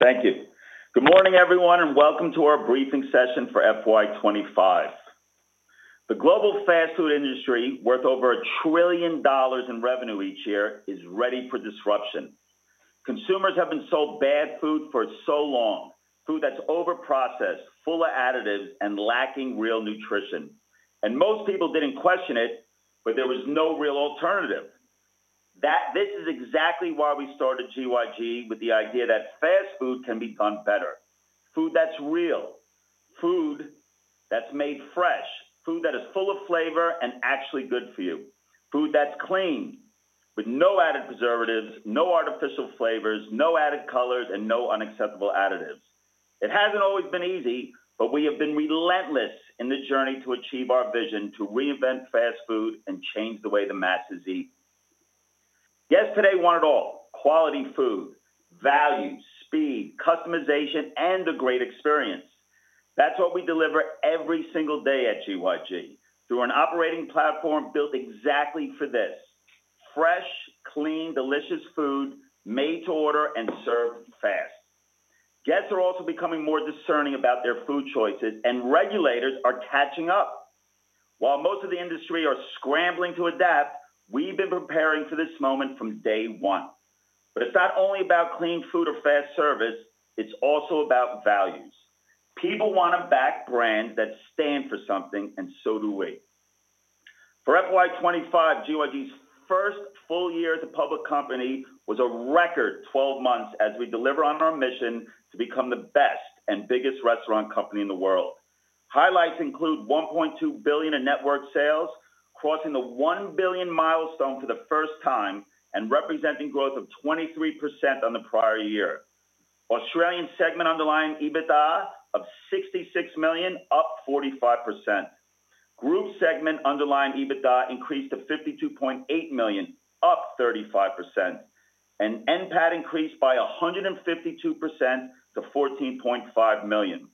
Thank you. Good morning, everyone, and welcome to our briefing session for FY 2025. The global fast food industry, worth over 1 trillion dollars in revenue each year, is ready for disruption. Consumers have been sold bad food for so long, food that's overprocessed, full of additives, and lacking real nutrition. Most people didn't question it, but there was no real alternative. This is exactly why we started GYG, with the idea that fast food can be done better. Food that's real, food that's made fresh, food that is full of flavor and actually good for you. Food that's clean, with no added preservatives, no artificial flavors, no added colors, and no unacceptable additives. It hasn't always been easy, but we have been relentless in the journey to achieve our vision to reinvent fast food and change the way the masses eat. Guests today want it all: quality food, value, speed, customization, and a great experience. That's what we deliver every single day at GYG, through an operating platform built exactly for this: fresh, clean, delicious food, made to order and served fast. Guests are also becoming more discerning about their food choices, and regulators are catching up. While most of the industry are scrambling to adapt, we've been preparing for this moment from day one. It is not only about clean food or fast service; it's also about values. People want a backed brand that stands for something, and so do we. For FY 2025, GYG's first full year as a public company was a record 12 months, as we deliver on our mission to become the best and biggest restaurant company in the world. Highlights include 1.2 billion in network sales, crossing the 1 billion milestone for the first time, and representing growth of 23% on the prior year. Australian segment underlying EBITDA of 66 million, up 45%. Group segment underlying EBITDA increased to 52.8 million, up 35%. NPAT increased by 152% to 14.5 million.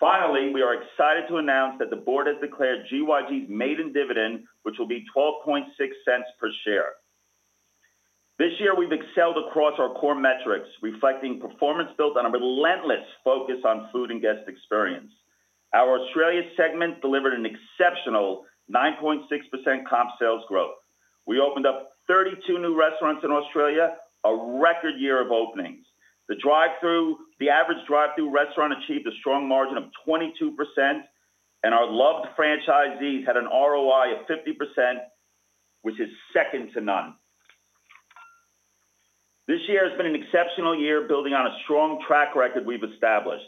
Finally, we are excited to announce that the board has declared GYG's maiden dividend, which will be 0.126 per share. This year, we've excelled across our core metrics, reflecting performance built on a relentless focus on food and guest experience. Our Australia segment delivered an exceptional 9.6% comparable sales growth. We opened 32 new restaurants in Australia, a record year of openings. The average drive-through restaurant achieved a strong margin of 22%, and our loved franchisees had an ROI of 50%, which is second to none. This year has been an exceptional year, building on a strong track record we've established.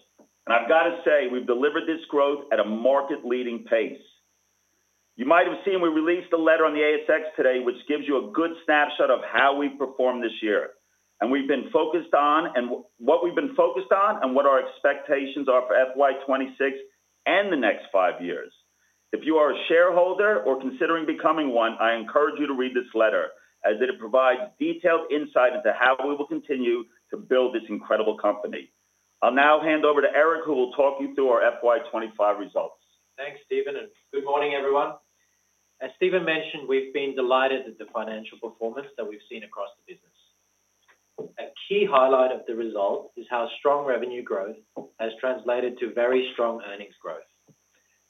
I've got to say, we've delivered this growth at a market-leading pace. You might have seen we released a letter on the ASX today, which gives you a good snapshot of how we performed this year. We've been focused on what we've been focused on, and what our expectations are for FY 2026 and the next five years. If you are a shareholder or considering becoming one, I encourage you to read this letter, as it provides detailed insight into how we will continue to build this incredible company. I'll now hand over to Erik, who will talk you through our FY 2025 results. Thanks, Steven, and good morning, everyone. As Steven mentioned, we've been delighted at the financial performance that we've seen across the business. A key highlight of the result is how strong revenue growth has translated to very strong earnings growth.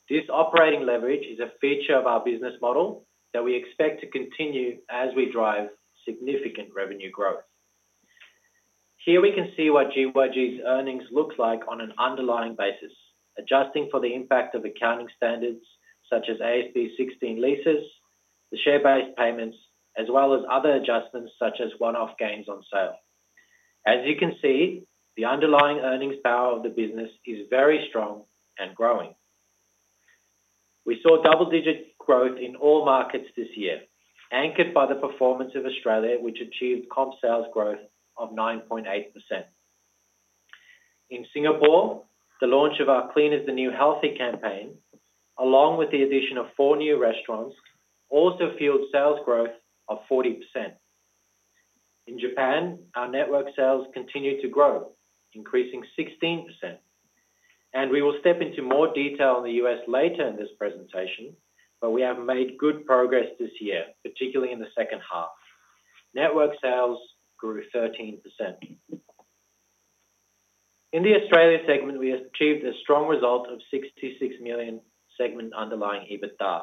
This operating leverage is a feature of our business model that we expect to continue as we drive significant revenue growth. Here we can see what GYG's earnings look like on an underlying basis, adjusting for the impact of accounting standards, such as AASB 16 leases, the share-based payments, as well as other adjustments, such as one-off gains on sale. As you can see, the underlying earnings power of the business is very strong and growing. We saw double-digit growth in all markets this year, anchored by the performance of Australia, which achieved comp sales growth of 9.8%. In Singapore, the launch of our "Clean is the New Healthy" campaign, along with the addition of four new restaurants, also fueled sales growth of 40%. In Japan, our network sales continue to grow, increasing 16%. We will step into more detail on the U.S. later in this presentation, but we have made good progress this year, particularly in the second half. Network sales grew 13%. In the Australia segment, we achieved a strong result of 66 million segment underlying EBITDA.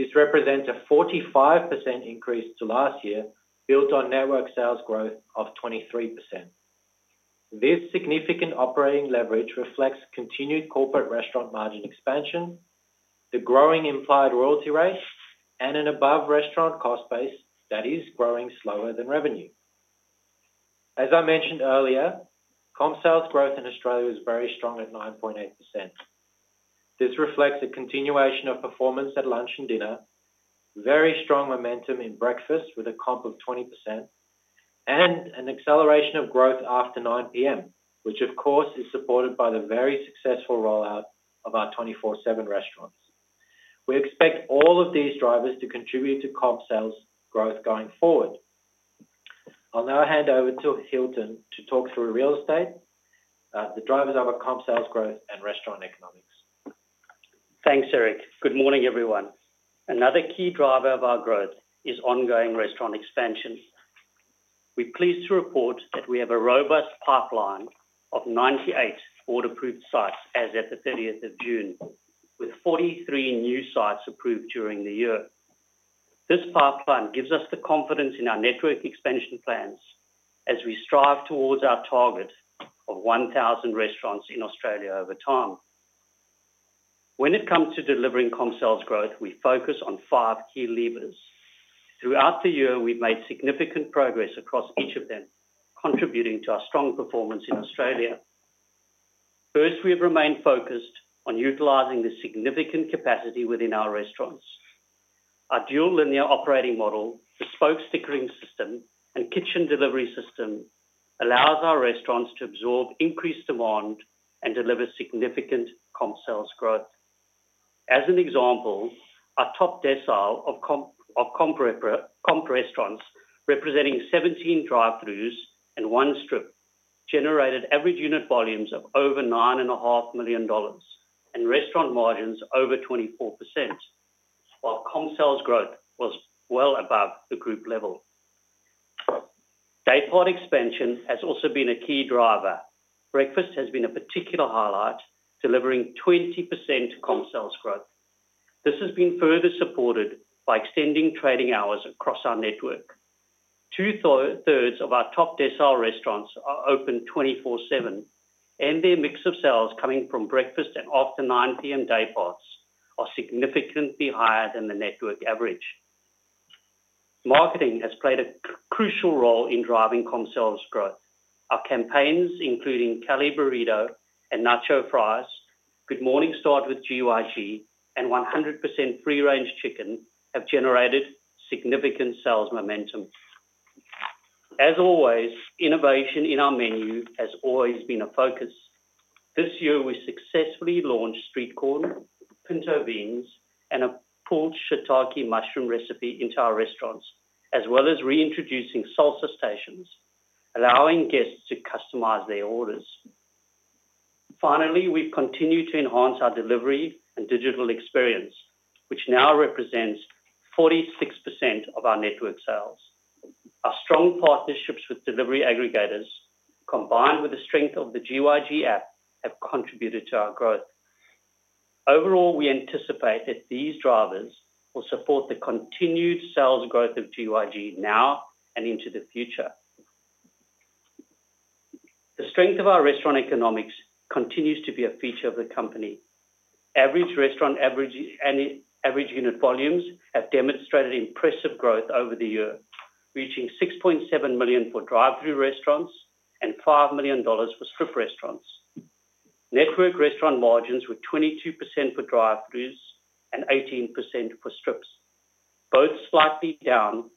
This represents a 45% increase to last year, built on network sales growth of 23%. This significant operating leverage reflects continued corporate restaurant margin expansion, the growing implied royalty rate, and an above-restaurant cost base that is growing slower than revenue. As I mentioned earlier, comp sales growth in Australia was very strong at 9.8%. This reflects a continuation of performance at lunch and dinner, very strong momentum in breakfast, with a comp of 20%, and an acceleration of growth after 9:00 P.M., which, of course, is supported by the very successful rollout of our 24/7 restaurants. We expect all of these drivers to contribute to comp sales growth going forward. I'll now hand over to Hilton to talk through real estate, the drivers of our comp sales growth, and restaurant economics. Thanks, Erik. Good morning, everyone. Another key driver of our growth is ongoing restaurant expansion. We're pleased to report that we have a robust pipeline of 98 board-approved sites, as at the 30th of June, with 43 new sites approved during the year. This pipeline gives us the confidence in our network expansion plans, as we strive towards our target of 1,000 restaurants in Australia over time. When it comes to delivering comp sales growth, we focus on five key levers. Throughout the year, we've made significant progress across each of them, contributing to our strong performance in Australia. First, we have remained focused on utilizing the significant capacity within our restaurants. Our dual linear operating model, bespoke stickering system, and kitchen delivery system allow our restaurants to absorb increased demand and deliver significant comp sales growth. As an example, our top decile of comp restaurants, representing 17 drive-throughs and one strip, generated average unit volumes of over 9.5 million dollars and restaurant margins over 24%, while comp sales growth was well above the group level. Day part expansion has also been a key driver. Breakfast has been a particular highlight, delivering 20% comp sales growth. This has been further supported by extending trading hours across our network. Two-thirds of our top decile restaurants are open 24/7, and their mix of sales, coming from breakfast and after 9:00 P.M. day parts, are significantly higher than the network average. Marketing has played a crucial role in driving comp sales growth. Our campaigns, including Cali Burrito and Nacho Fries, "Good Morning Start With GYG," and 100% free-range chicken, have generated significant sales momentum. As always, innovation in our menu has always been a focus. This year, we successfully launched street corn, pinto beans, and a pulled shiitake mushroom recipe into our restaurants, as well as reintroducing salsa stations, allowing guests to customize their orders. Finally, we've continued to enhance our delivery and digital experience, which now represents 46% of our network sales. Our strong partnerships with delivery aggregators, combined with the strength of the GYG app, have contributed to our growth. Overall, we anticipate that these drivers will support the continued sales growth of GYG now and into the future. The strength of our restaurant economics continues to be a feature of the company. Average restaurant average unit volumes have demonstrated impressive growth over the year, reaching 6.7 million for drive-through restaurants and 5 million dollars for strip restaurants. Network restaurant margins were 22% for drive-throughs and 18% for strips, both slightly down,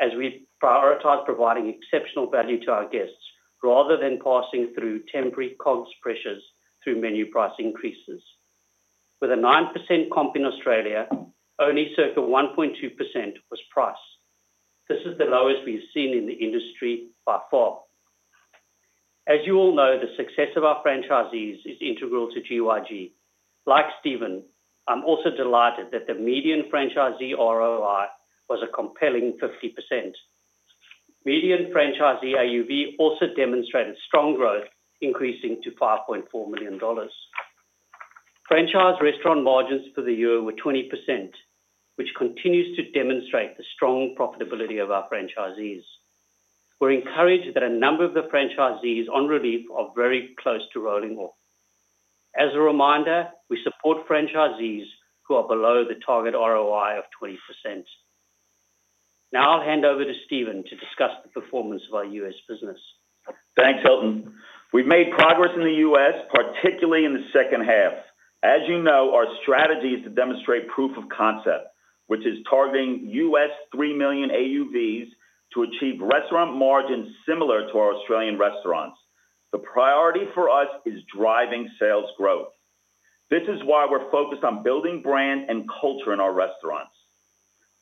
as we prioritize providing exceptional value to our guests, rather than passing through temporary cost pressures through menu price increases. With a 9% comp in Australia, only circa 1.2% was price. This is the lowest we've seen in the industry by far. As you all know, the success of our franchisees is integral to GYG. Like Steven, I'm also delighted that the median franchisee ROI was a compelling 50%. Median franchisee AUV also demonstrated strong growth, increasing to 5.4 million dollars. Franchise restaurant margins for the year were 20%, which continues to demonstrate the strong profitability of our franchisees. We're encouraged that a number of the franchisees on relief are very close to rolling off. As a reminder, we support franchisees who are below the target ROI of 20%. Now I'll hand over to Steven to discuss the performance of our U.S. business. Thanks, Hilton. We've made progress in the U.S., particularly in the second half. As you know, our strategy is to demonstrate proof of concept, which is targeting 3 million AUVs to achieve restaurant margins similar to our Australian restaurants. The priority for us is driving sales growth. This is why we're focused on building brand and culture in our restaurants.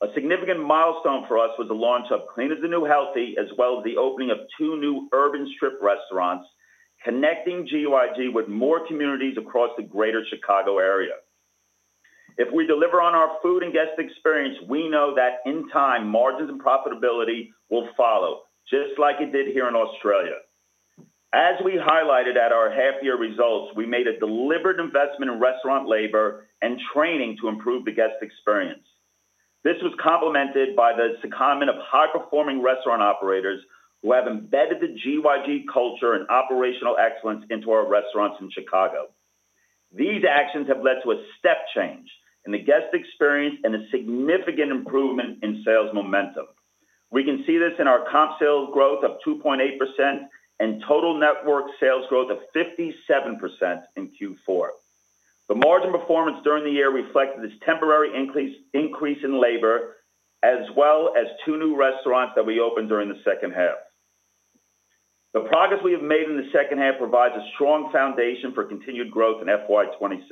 A significant milestone for us was the launch of "Clean is the New Healthy," as well as the opening of two new urban strip restaurants, connecting GYG with more communities across the greater Chicago area. If we deliver on our food and guest experience, we know that in time, margins and profitability will follow, just like it did here in Australia. As we highlighted at our half-year results, we made a deliberate investment in restaurant labor and training to improve the guest experience. This was complemented by the seconding of high-performing restaurant operators who have embedded the GYG culture and operational excellence into our restaurants in Chicago. These actions have led to a step change in the guest experience and a significant improvement in sales momentum. We can see this in our comparable sales growth of 2.8% and total network sales growth of 57% in Q4. The margin performance during the year reflected this temporary increase in labor, as well as two new restaurants that we opened during the second half. The progress we have made in the second half provides a strong foundation for continued growth in FY 2026.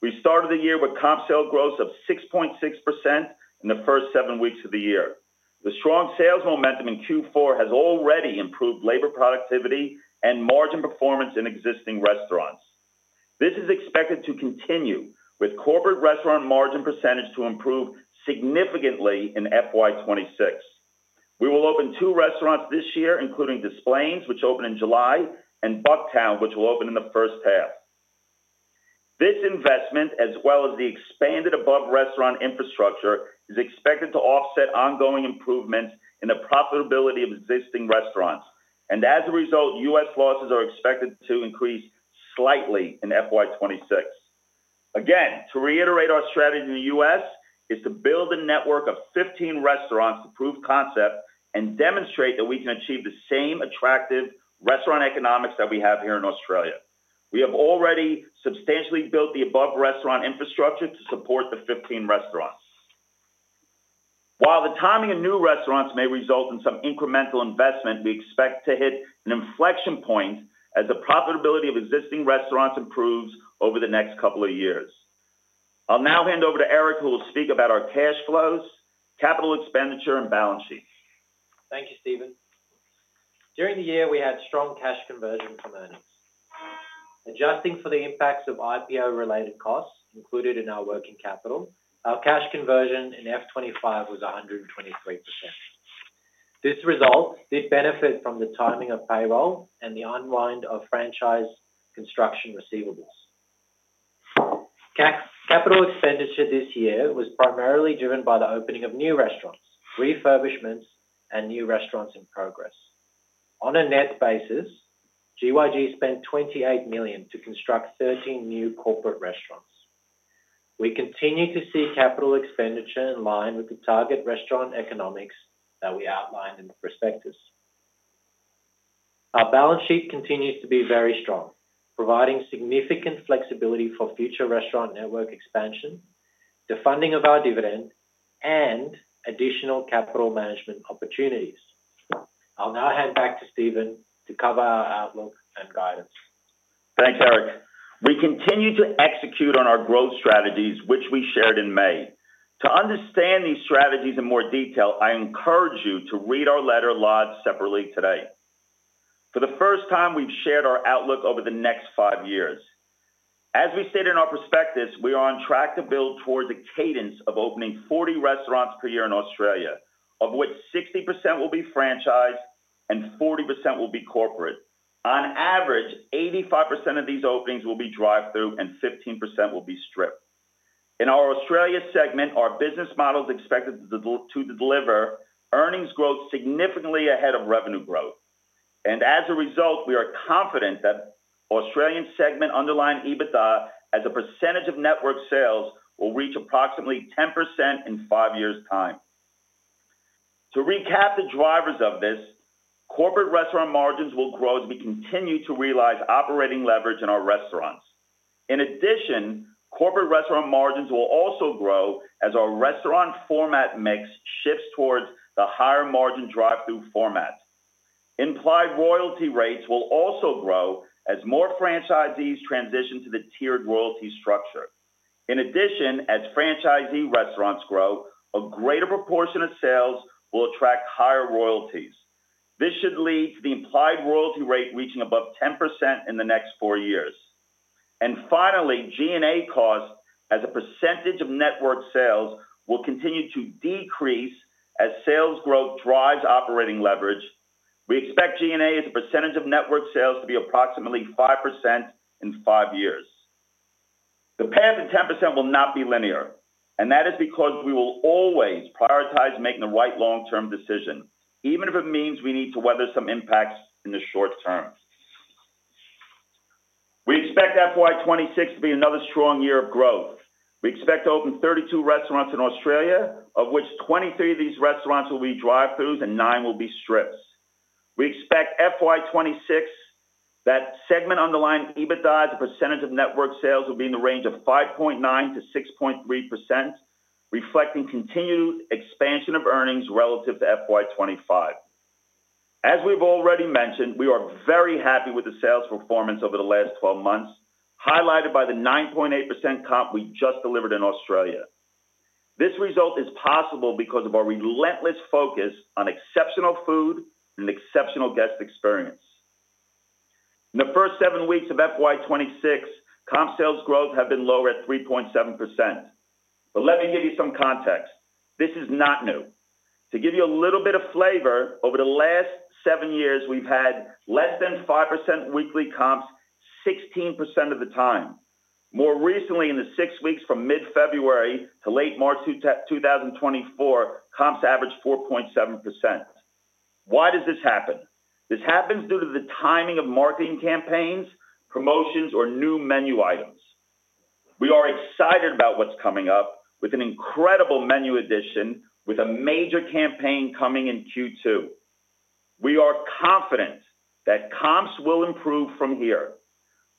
We started the year with comparable sales growth of 6.6% in the first seven weeks of the year. The strong sales momentum in Q4 has already improved labor productivity and margin performance in existing restaurants. This is expected to continue, with corporate restaurant margin percentage to improve significantly in FY 2026. We will open two restaurants this year, including Des Plaines, which opened in July, and Bucktown, which will open in the first half. This investment, as well as the expanded above-restaurant infrastructure, is expected to offset ongoing improvements in the profitability of existing restaurants. As a result, U.S. losses are expected to increase slightly in FY 2026. Again, to reiterate, our strategy in the U.S. is to build a network of 15 restaurants with proof of concept and demonstrate that we can achieve the same attractive restaurant economics that we have here in Australia. We have already substantially built the above-restaurant infrastructure to support the 15 restaurants. While the timing of new restaurants may result in some incremental investment, we expect to hit an inflection point as the profitability of existing restaurants improves over the next couple of years. I'll now hand over to Erik, who will speak about our cash flows, capital expenditure, and balance sheet. Thank you, Steven. During the year, we had strong cash conversion from earnings. Adjusting for the impacts of IPO-related costs included in our working capital, our cash conversion in FY 2025 was 123%. This result did benefit from the timing of payroll and the unwind of franchise construction receivables. Capital expenditure this year was primarily driven by the opening of new restaurants, refurbishments, and new restaurants in progress. On a net basis, GYG spent 28 million to construct 13 new corporate restaurants. We continue to see capital expenditure in line with the target restaurant economics that we outlined in the prospectus. Our balance sheet continues to be very strong, providing significant flexibility for future restaurant network expansion, the funding of our dividend, and additional capital management opportunities. I'll now hand back to Steven to cover our outlook and guidance. Thanks, Erik. We continue to execute on our growth strategies, which we shared in May. To understand these strategies in more detail, I encourage you to read our letter live separately today. For the first time, we've shared our outlook over the next five years. As we stated in our prospectus, we are on track to build towards a cadence of opening 40 restaurants per year in Australia, of which 60% will be franchised and 40% will be corporate. On average, 85% of these openings will be drive-through and 15% will be strip. In our Australia segment, our business model is expected to deliver earnings growth significantly ahead of revenue growth. As a result, we are confident that the Australian segment underlying EBITDA as a percentage of network sales will reach approximately 10% in five years' time. To recap the drivers of this, corporate restaurant margins will grow as we continue to realize operating leverage in our restaurants. In addition, corporate restaurant margins will also grow as our restaurant format mix shifts towards the higher margin drive-through formats. Implied royalty rates will also grow as more franchisees transition to the tiered royalty structure. In addition, as franchisee restaurants grow, a greater proportion of sales will attract higher royalties. This should lead to the implied royalty rate reaching above 10% in the next four years. Finally, G&A costs, as a percentage of network sales, will continue to decrease as sales growth drives operating leverage. We expect G&A, as a percentage of network sales, to be approximately 5% in five years. The path to 10% will not be linear, and that is because we will always prioritize making the right long-term decision, even if it means we need to weather some impacts in the short term. We expect FY 2026 to be another strong year of growth. We expect to open 32 restaurants in Australia, of which 23 of these restaurants will be drive-throughs and nine will be strips. We expect FY 2026 that segment underlying EBITDA as a percentage of network sales will be in the range of 5.9% - 6.3%, reflecting continued expansion of earnings relative to FY 2025. As we've already mentioned, we are very happy with the sales performance over the last 12 months, highlighted by the 9.8% comp we just delivered in Australia. This result is possible because of our relentless focus on exceptional food and exceptional guest experience. In the first seven weeks of FY 2026, comp sales growth had been lower at 3.7%. Let me give you some context. This is not new. To give you a little bit of flavor, over the last seven years, we've had less than 5% weekly comps 16% of the time. More recently, in the six weeks from mid-February to late March 2024, comps averaged 4.7%. Why does this happen? This happens due to the timing of marketing campaigns, promotions, or new menu items. We are excited about what's coming up, with an incredible menu addition, with a major campaign coming in Q2. We are confident that comps will improve from here.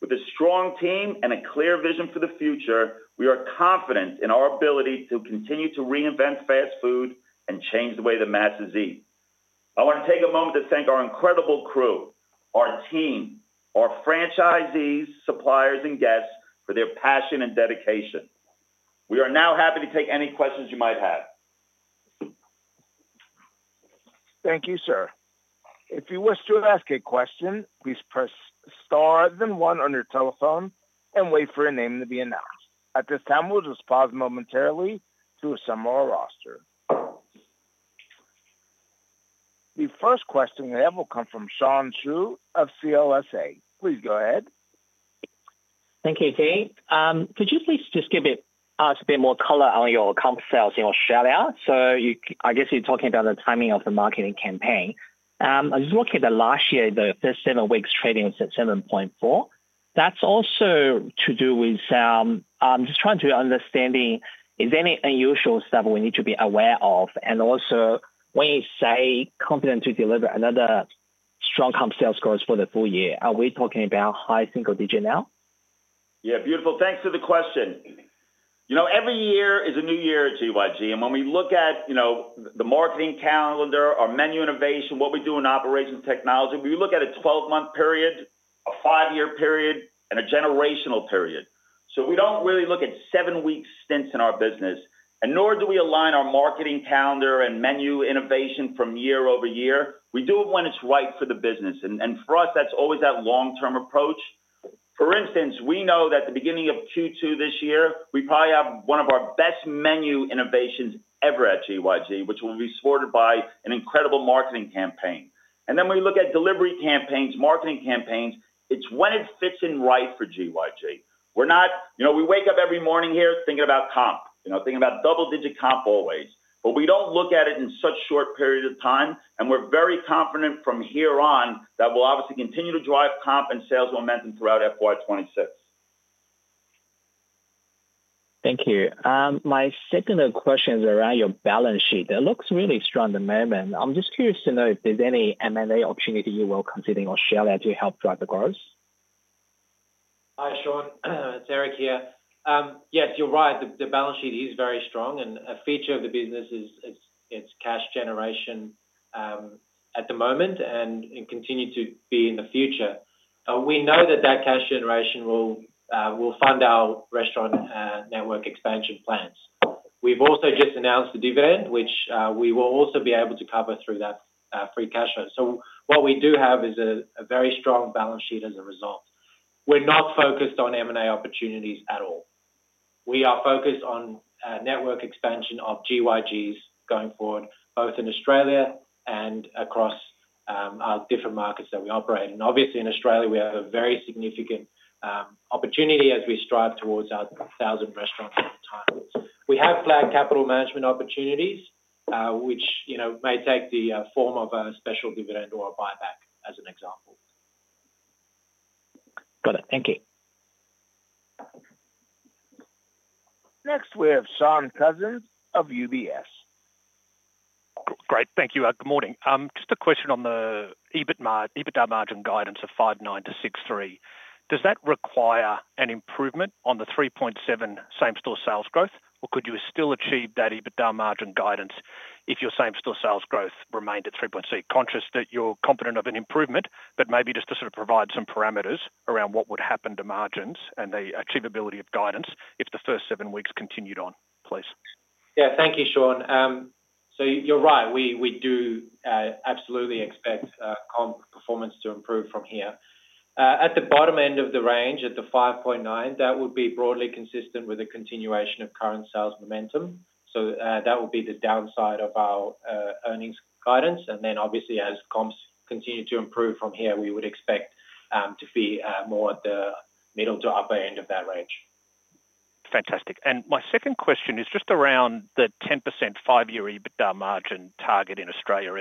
With a strong team and a clear vision for the future, we are confident in our ability to continue to reinvent fast food and change the way the masses eat. I want to take a moment to thank our incredible crew, our team, our franchisees, suppliers, and guests for their passion and dedication. We are now happy to take any questions you might have. Thank you, sir. If you wish to ask a question, please press star then one on your telephone and wait for your name to be announced. At this time, we'll just pause momentarily to assemble our roster. The first question we have will come from Sean Xu of CLSA Limited. Please go ahead. Thank you, Keith. Could you please just give us a bit more color on your comp sales in your shout-out? I guess you're talking about the timing of the marketing campaign. I was looking at last year, the first seven weeks trading at 7.4%. That's also to do with, I'm just trying to understand, is there any unusual stuff we need to be aware of? Also, when you say confident to deliver another strong comp sales growth for the full year, are we talking about high single-digit now? Yeah, beautiful. Thanks for the question. Every year is a new year at GYG. When we look at the marketing calendar, our menu innovation, what we do in operations technology, we look at a 12-month period, a five-year period, and a generational period. We don't really look at seven-week stints in our business, nor do we align our marketing calendar and menu innovation from year over year. We do it when it's right for the business. For us, that's always that long-term approach. For instance, we know that at the beginning of Q2 this year, we probably have one of our best menu innovations ever at GYG, which will be supported by an incredible marketing campaign. When we look at delivery campaigns, marketing campaigns, it's when it fits in right for GYG. We're not, you know, we wake up every morning here thinking about comp, thinking about double-digit comp always. We don't look at it in such a short period of time. We're very confident from here on that we'll obviously continue to drive comp and sales momentum throughout FY 2026. Thank you. My second question is around your balance sheet. It looks really strong at the moment. I'm just curious to know if there's any M&A opportunity you will consider in Australia to help drive the growth? Hi, Sean. It's Erik here. Yeah, you're right. The balance sheet is very strong. A feature of the business is its cash generation at the moment and continue to be in the future. We know that that cash generation will fund our restaurant network expansion plans. We've also just announced the dividend, which we will also be able to cover through that free cash flow. What we do have is a very strong balance sheet as a result. We're not focused on M&A opportunities at all. We are focused on network expansion of GYGs going forward, both in Australia and across our different markets that we operate. Obviously, in Australia, we have a very significant opportunity as we strive towards our 1,000 restaurants at a time. We have flat capital management opportunities, which, you know, may take the form of a special dividend or a buyback, as an example. Got it. Thank you. Next, we have Shaun Cousins of UBS. Great. Thank you. Good morning. Just a question on the EBITDA margin guidance of 5.9% - 6.3%. Does that require an improvement on the 3.7% comparable sales growth, or could you still achieve that EBITDA margin guidance if your comparable sales growth remained at 3.3%? Conscious that you're confident of an improvement, but maybe just to sort of provide some parameters around what would happen to margins and the achievability of guidance if the first seven weeks continued on, please. Yeah, thank you, Sean. You're right. We do absolutely expect comp performance to improve from here. At the bottom end of the range, at 5.9%, that would be broadly consistent with a continuation of current sales momentum. That would be the downside of our earnings guidance. Obviously, as comps continue to improve from here, we would expect to be more at the middle to upper end of that range. Fantastic. My second question is just around the 10% five-year EBITDA margin target in Australia.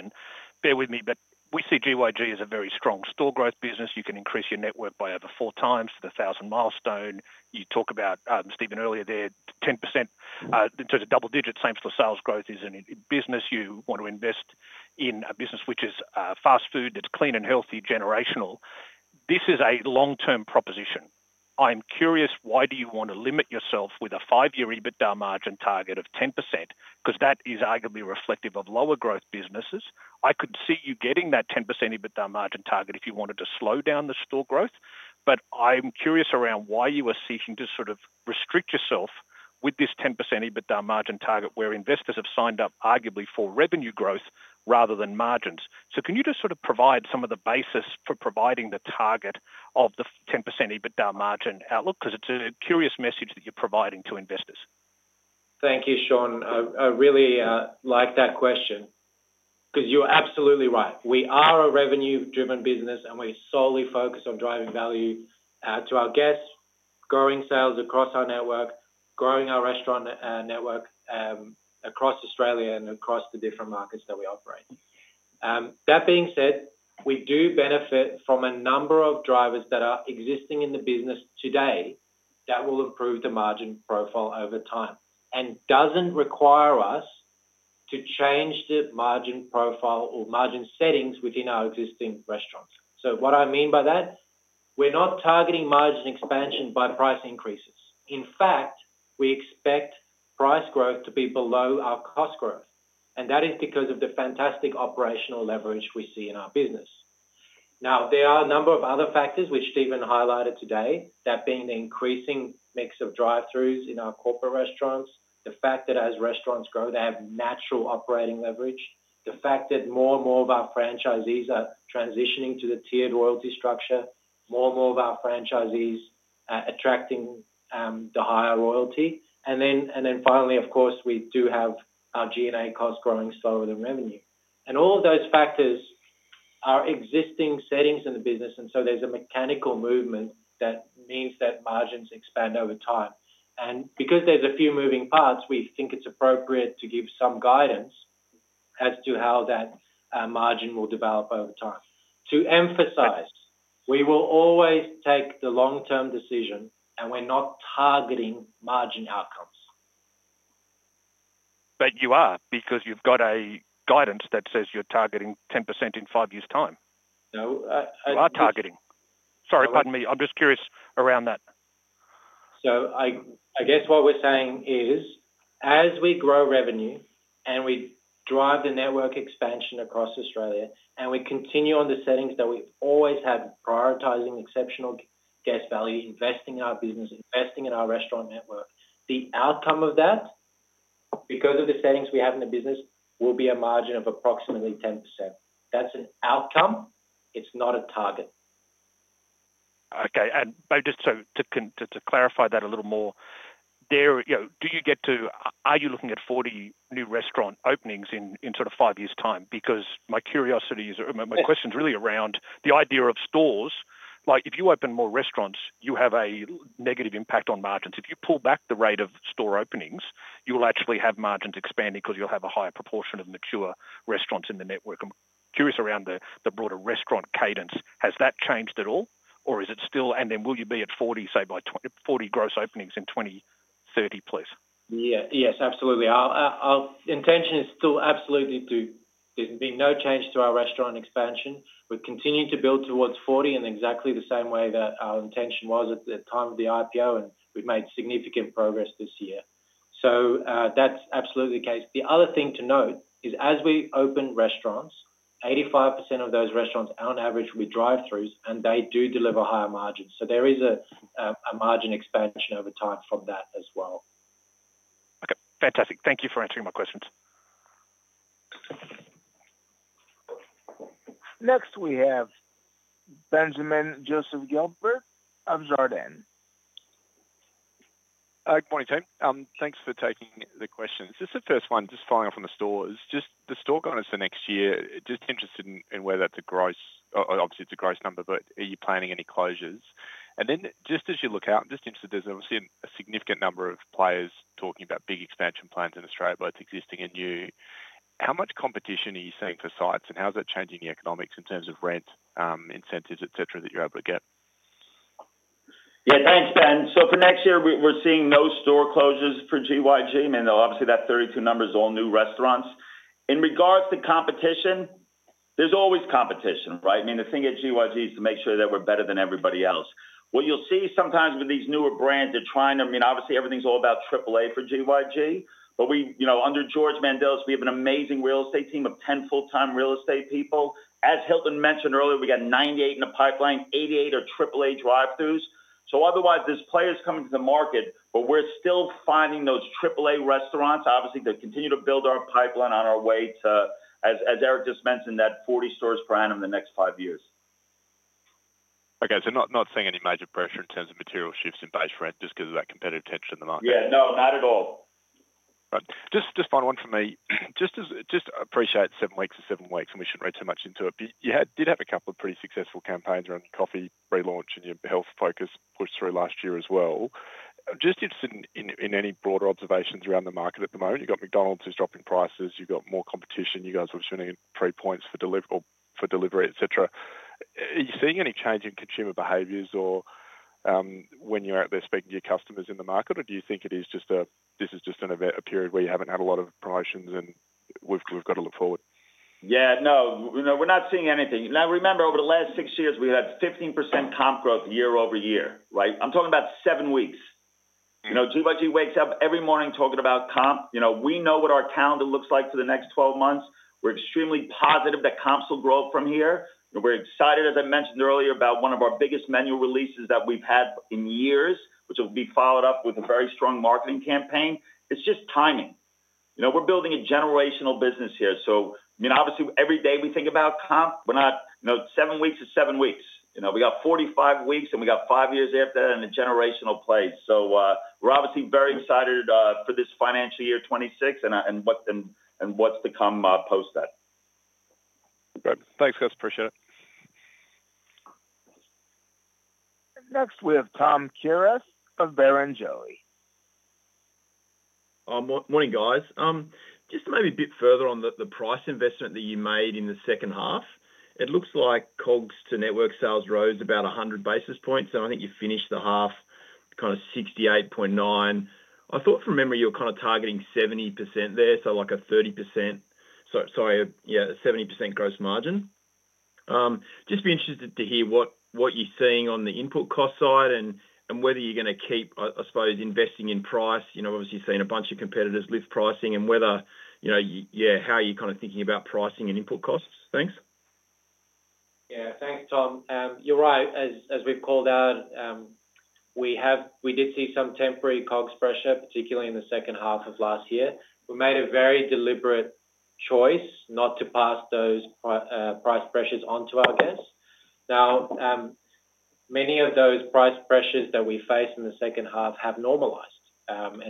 Bear with me, but we see GYG as a very strong store growth business. You can increase your net worth by over 4x to the 1,000 milestone. You talked about, Steven, earlier there, 10% in terms of double-digit same-store sales growth is in a business you want to invest in, a business which is fast food that's clean and healthy, generational. This is a long-term proposition. I am curious, why do you want to limit yourself with a five-year EBITDA margin target of 10%? That is arguably reflective of lower growth businesses. I could see you getting that 10% EBITDA margin target if you wanted to slow down the store growth? I'm curious around why you are seeking to sort of restrict yourself with this 10% EBITDA margin target, where investors have signed up arguably for revenue growth rather than margins. Can you just sort of provide some of the basis for providing the target of the 10% EBITDA margin outlook? It's a curious message that you're providing to investors. Thank you, Sean. I really like that question because you're absolutely right. We are a revenue-driven business, and we solely focus on driving value to our guests, growing sales across our network, growing our restaurant network across Australia and across the different markets that we operate. That being said, we do benefit from a number of drivers that are existing in the business today that will improve the margin profile over time and doesn't require us to change the margin profile or margin settings within our existing restaurants. What I mean by that, we're not targeting margin expansion by price increases. In fact, we expect price growth to be below our cost growth, and that is because of the fantastic operational leverage we see in our business. There are a number of other factors, which Steven highlighted today, that being the increasing mix of drive-throughs in our corporate restaurants, the fact that as restaurants grow, they have natural operating leverage, the fact that more and more of our franchisees are transitioning to the tiered royalty structure, more and more of our franchisees are attracting the higher royalty. Finally, of course, we do have our G&A cost growing slower than revenue. All of those factors are existing settings in the business, and there's a mechanical movement that means that margins expand over time. Because there's a few moving parts, we think it's appropriate to give some guidance as to how that margin will develop over time. To emphasize, we will always take the long-term decision, and we're not targeting margin outcomes. You are because you've got a guidance that says you're targeting 10% in five years' time. So I. You are targeting. I'm just curious around that. What we're saying is, as we grow revenue and we drive the network expansion across Australia and we continue on the settings that we always have, prioritizing exceptional guest value, investing in our business, investing in our restaurant network, the outcome of that, because of the settings we have in the business, will be a margin of approximately 10%. That's an outcome. It's not a target. OK. Just to clarify that a little more, are you looking at 40 new restaurant openings in sort of five years' time? My curiosity is, my question's really around the idea of stores. If you open more restaurants, you have a negative impact on margins. If you pull back the rate of store openings, you'll actually have margins expanding because you'll have a higher proportion of mature restaurants in the network. I'm curious around the broader restaurant cadence. Has that changed at all, or is it still, and then will you be at 40, say, by 40 gross openings in 2030, please? Yes, absolutely. Our intention is still absolutely to, there's been no change to our restaurant expansion. We're continuing to build towards 40 in exactly the same way that our intention was at the time of the IPO. We've made significant progress this year. That's absolutely the case. The other thing to note is, as we open restaurants, 85% of those restaurants on average will be drive-throughs, and they do deliver higher margins. There is a margin expansion over time from that as well. OK, fantastic. Thank you for answering my questions. Next, we have Benjamin Joseph Gilbert of Jarden. Hi, Bonnie To. Thanks for taking the question. The first one, just following up on the stores. The store going into the next year, just interested in whether that's a gross, obviously, it's a gross number, but are you planning any closures? As you look out, I'm just interested, there's obviously a significant number of players talking about big expansion plans in Australia, both existing and new. How much competition are you seeing for sites, and how is that changing the economics in terms of rent, incentives, et cetera, that you're able to get? Yeah, thanks, Ben. For next year, we're seeing no store closures for GYG. Obviously, that 32 number is all new restaurants. In regards to competition, there's always competition, right? The thing at GYG is to make sure that we're better than everybody else. What you'll see sometimes with these newer brands that are trying to, I mean, obviously, everything's all about AAA for GYG. Under George Mandelis, we have an amazing real estate team of 10 full-time real estate people. As Hilton mentioned earlier, we got 98 in the pipeline, 88 are AAA drive-throughs. Otherwise, there's players coming to the market, but we're still finding those AAA restaurants. Obviously, to continue to build our pipeline on our way to, as Erik just mentioned, that 40 stores per annum in the next five years. OK, so not seeing any major pressure in terms of material shifts in base rent, just because of that competitive tension in the market? Yeah, no, not at all. Right. Just one from me. I just appreciate seven weeks is seven weeks, and we shouldn't read too much into it. You did have a couple of pretty successful campaigns around coffee relaunch and your health focus pushed through last year as well. I'm just interested in any broader observations around the market at the moment. You've got McDonald's who's dropping prices. You've got more competition. You guys are assuming three points for delivery, etc. Are you seeing any change in consumer behaviors or when you're out there speaking to your customers in the market? Do you think it is just a period where you haven't had a lot of promotions, and we've got to look forward? Yeah, no, we're not seeing anything. Now, remember, over the last six years, we've had 15% comp growth year-over-year, right? I'm talking about seven weeks. You know, GYG wakes up every morning talking about comp. We know what our calendar looks like for the next 12 months. We're extremely positive that comps will grow from here. We're excited, as I mentioned earlier, about one of our biggest menu releases that we've had in years, which will be followed up with a very strong marketing campaign. It's just timing. We're building a generational business here. Obviously, every day we think about comp, but not, you know, seven weeks is seven weeks. We got 45 weeks, and we got five years after that in a generational place. We're obviously very excited for this financial year 2026 and what's to come post that. Good. Thanks, guys. Appreciate it. Next, we have Tom Kierath of Barrenjoey. Morning, guys. Just maybe a bit further on the price investment that you made in the second half. It looks like COGS to network sales rose about 100 basis points. I think you finished the half kind of 68.9%. I thought from memory you were kind of targeting 70% there, so like a 30%, so yeah, a 70% gross margin. Just be interested to hear what you're seeing on the input cost side and whether you're going to keep, I suppose, investing in price. Obviously, you're seeing a bunch of competitors lift pricing and whether, you know, yeah, how you're kind of thinking about pricing and input costs? Thanks. Yeah, thanks, Tom. You're right. As we've called out, we did see some temporary COGS pressure, particularly in the second half of last year. We made a very deliberate choice not to pass those price pressures onto our guests. Now, many of those price pressures that we faced in the second half have normalized, and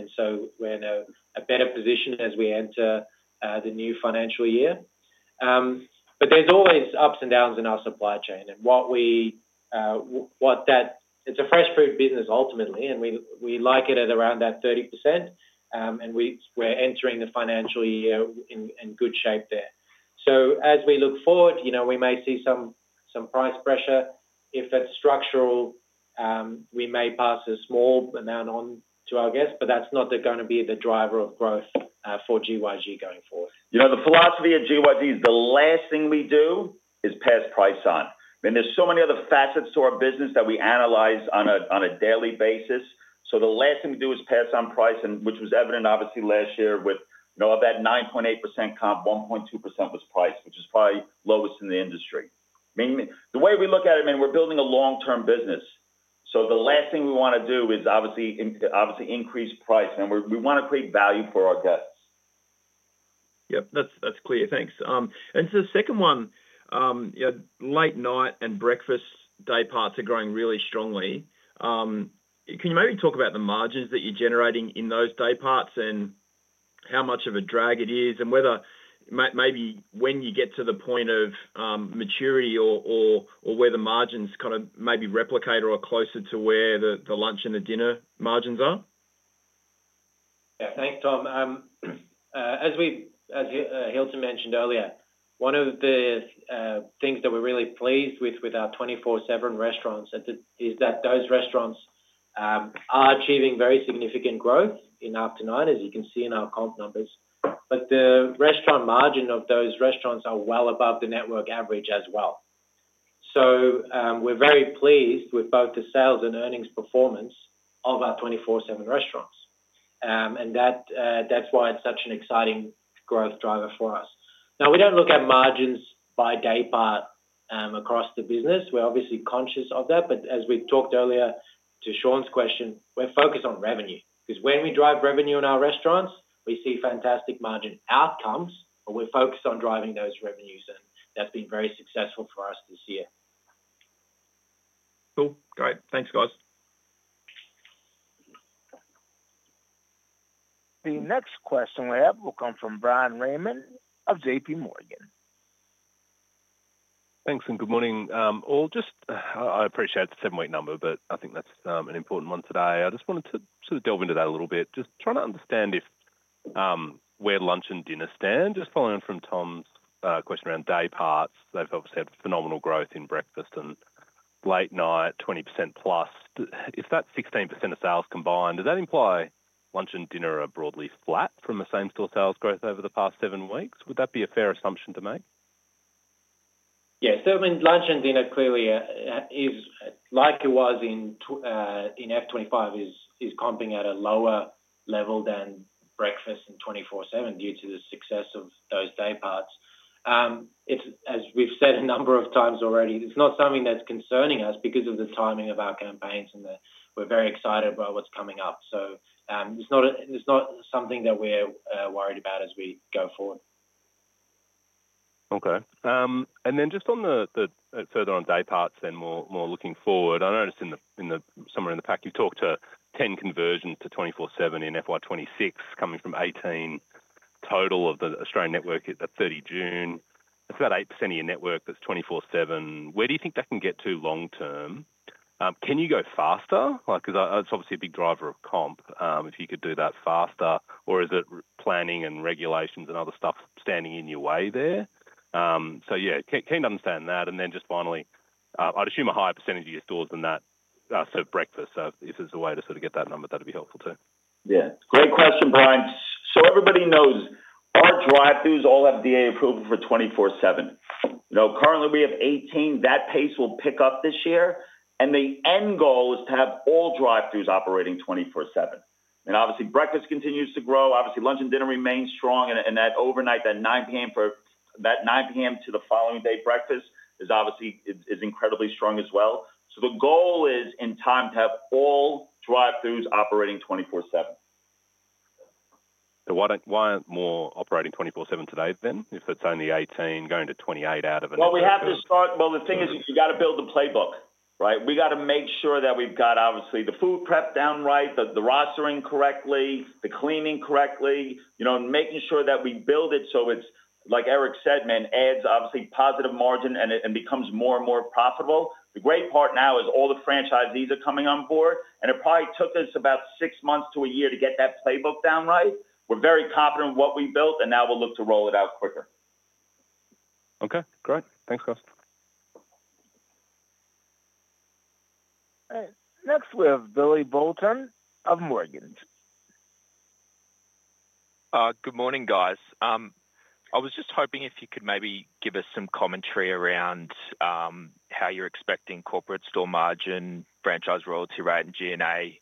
we're in a better position as we enter the new financial year. There's always ups and downs in our supply chain. It's a fresh fruit business, ultimately, and we like it at around that 30%. We're entering the financial year in good shape there. As we look forward, we may see some price pressure. If it's structural, we may pass a small amount on to our guests, but that's not going to be the driver of growth for GYG going forward. You know, the philosophy at GYG is the last thing we do is pass price on. There are so many other facets to our business that we analyze on a daily basis. The last thing we do is pass on price, which was evident, obviously, last year with about 9.8% comp, 1.2% was price, which is probably lowest in the industry. The way we look at it, we're building a long-term business. The last thing we want to do is, obviously, increase price. We want to create value for our guests. Yep, that's clear. Thanks. The second one, you know, late night and breakfast day parts are growing really strongly. Can you maybe talk about the margins that you're generating in those day parts and how much of a drag it is and whether maybe when you get to the point of maturity or where the margins kind of maybe replicate or are closer to where the lunch and the dinner margins are? Yeah, thanks, Tom. As Hilton mentioned earlier, one of the things that we're really pleased with with our 24/7 restaurants is that those restaurants are achieving very significant growth in afternoon, as you can see in our comp numbers. The restaurant margin of those restaurants is well above the network average as well. We are very pleased with both the sales and earnings performance of our 24/7 restaurants. That's why it's such an exciting growth driver for us. We don't look at margins by day part across the business. We're obviously conscious of that. As we've talked earlier to Sean's question, we're focused on revenue. When we drive revenue in our restaurants, we see fantastic margin outcomes. We're focused on driving those revenues, and that's been very successful for us this year. Cool. Great. Thanks, guys. The next question we have will come from Bryan Raymond of JPMorgan. Thanks, and good morning, all. I appreciate the seven-week number, but I think that's an important one today. I just wanted to sort of delve into that a little bit, just trying to understand where lunch and dinner stand. Just following from Tom's question around day parts, they've obviously had phenomenal growth in breakfast and late night, 20%+. If that's 16% of sales combined, does that imply lunch and dinner are broadly flat from the same-store sales growth over the past seven weeks? Would that be a fair assumption to make? Yeah, so I mean, lunch and dinner clearly is, like it was in FY 2025, is comping at a lower level than breakfast in 24/7 due to the success of those day parts. As we've said a number of times already, it's not something that's concerning us because of the timing of our campaigns. We're very excited about what's coming up. It's not something that we're worried about as we go forward. OK. Just on the further on day parts and more looking forward, I noticed in the summary in the pack, you've talked to 10 conversions to 24/7 in FY 2026, coming from 18 total of the Australian network at 30 June. That's about 8% of your network that's 24/7. Where do you think that can get to long term? Can you go faster? That's obviously a big driver of comp. If you could do that faster, or is it planning and regulations and other stuff standing in your way there? Keen to understand that. Just finally, I'd assume a higher percentage of your stores than that for breakfast. If there's a way to sort of get that number, that'd be helpful too. Yeah, great question, Bryan. Everybody knows our drive-throughs all have DA approval for 24/7. Currently, we have 18. That pace will pick up this year. The end goal is to have all drive-throughs operating 24/7. Obviously, breakfast continues to grow. Lunch and dinner remain strong. That overnight, that 9:00 P.M. to the following day breakfast is obviously incredibly strong as well. The goal is in time to have all drive-throughs operating 24/7. Why aren't more operating 24/7 today, if it's only 18, going to 28 out of another? You have to start. The thing is, you've got to build the playbook, right? We've got to make sure that we've got obviously the food prep down right, the rostering correctly, the cleaning correctly, you know, and making sure that we build it so it's like Erik said, man, adds obviously positive margin and becomes more and more profitable. The great part now is all the franchisees are coming on board. It probably took us about six months to a year to get that playbook down right. We're very confident in what we built, and now we'll look to roll it out quicker. OK, great. Thanks, guys. Next, we have Billy Boulton of Morgans. Good morning, guys. I was just hoping if you could maybe give us some commentary around how you're expecting corporate store margin, franchise royalty rate, and G&A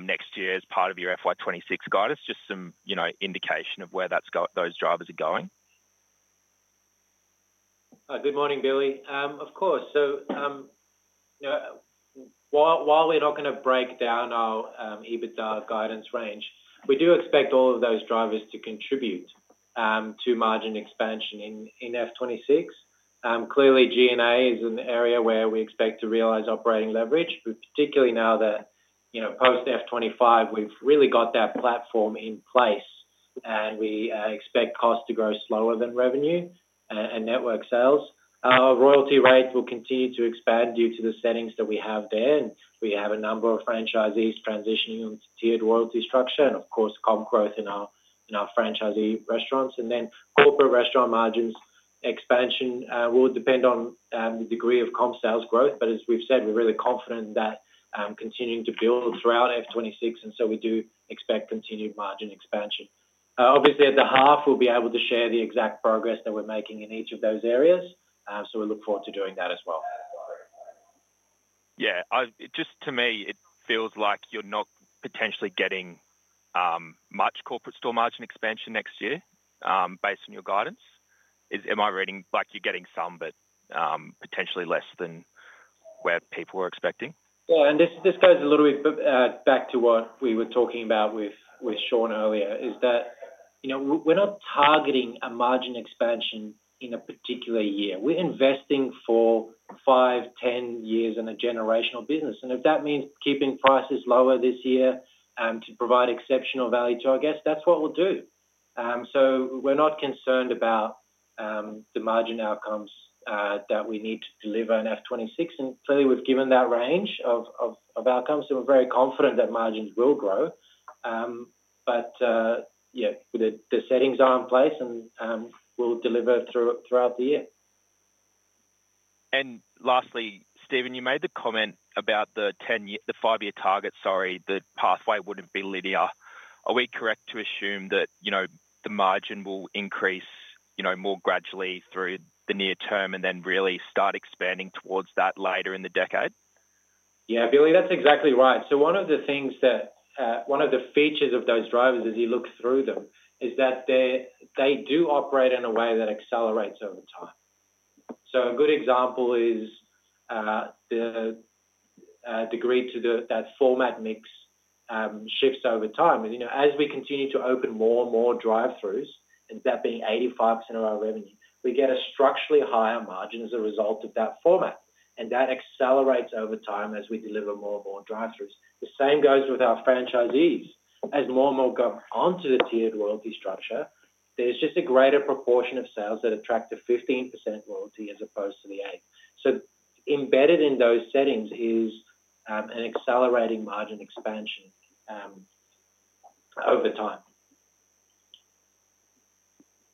next year as part of your FY2026 guidance, just some indication of where those drivers are going. Good morning, Billy. Of course. While we're not going to break down our EBITDA guidance range, we do expect all of those drivers to contribute to margin expansion in FY 2026. Clearly, G&A is an area where we expect to realize operating leverage, particularly now that, you know, post FY 2025, we've really got that platform in place. We expect costs to grow slower than revenue and network sales. Our royalty rates will continue to expand due to the settings that we have there. We have a number of franchisees transitioning onto tiered royalty structure and, of course, comp growth in our franchisee restaurants. Corporate restaurant margins expansion will depend on the degree of comp sales growth. As we've said, we're really confident in that continuing to build throughout F2026. We do expect continued margin expansion. Obviously, in the half, we'll be able to share the exact progress that we're making in each of those areas. We look forward to doing that as well. Yeah, just to me, it feels like you're not potentially getting much corporate store margin expansion next year based on your guidance. Am I reading like you're getting some, but potentially less than where people were expecting? This goes a little bit back to what we were talking about with Sean earlier, you know, we're not targeting a margin expansion in a particular year. We're investing for five, 10 years in a generational business. If that means keeping prices lower this year to provide exceptional value, I guess that's what we'll do. We're not concerned about the margin outcomes that we need to deliver in 2026. Clearly, we've given that range of outcomes. We're very confident that margins will grow. The settings are in place, and we'll deliver throughout the year. Lastly, Steven, you made the comment about the five-year target, sorry, the pathway wouldn't be linear. Are we correct to assume that the margin will increase more gradually through the near term and then really start expanding towards that later in the decade? Yeah, Billy, that's exactly right. One of the things that one of the features of those drivers as you look through them is that they do operate in a way that accelerates over time. A good example is the degree to that format mix shifts over time. As we continue to open more and more drive-throughs, and that being 85% of our revenue, we get a structurally higher margin as a result of that format. That accelerates over time as we deliver more and more drive-throughs. The same goes with our franchisees. As more and more go onto the tiered royalty structure, there's just a greater proportion of sales that attract a 15% royalty as opposed to the 8%. Embedded in those settings is an accelerating margin expansion over time.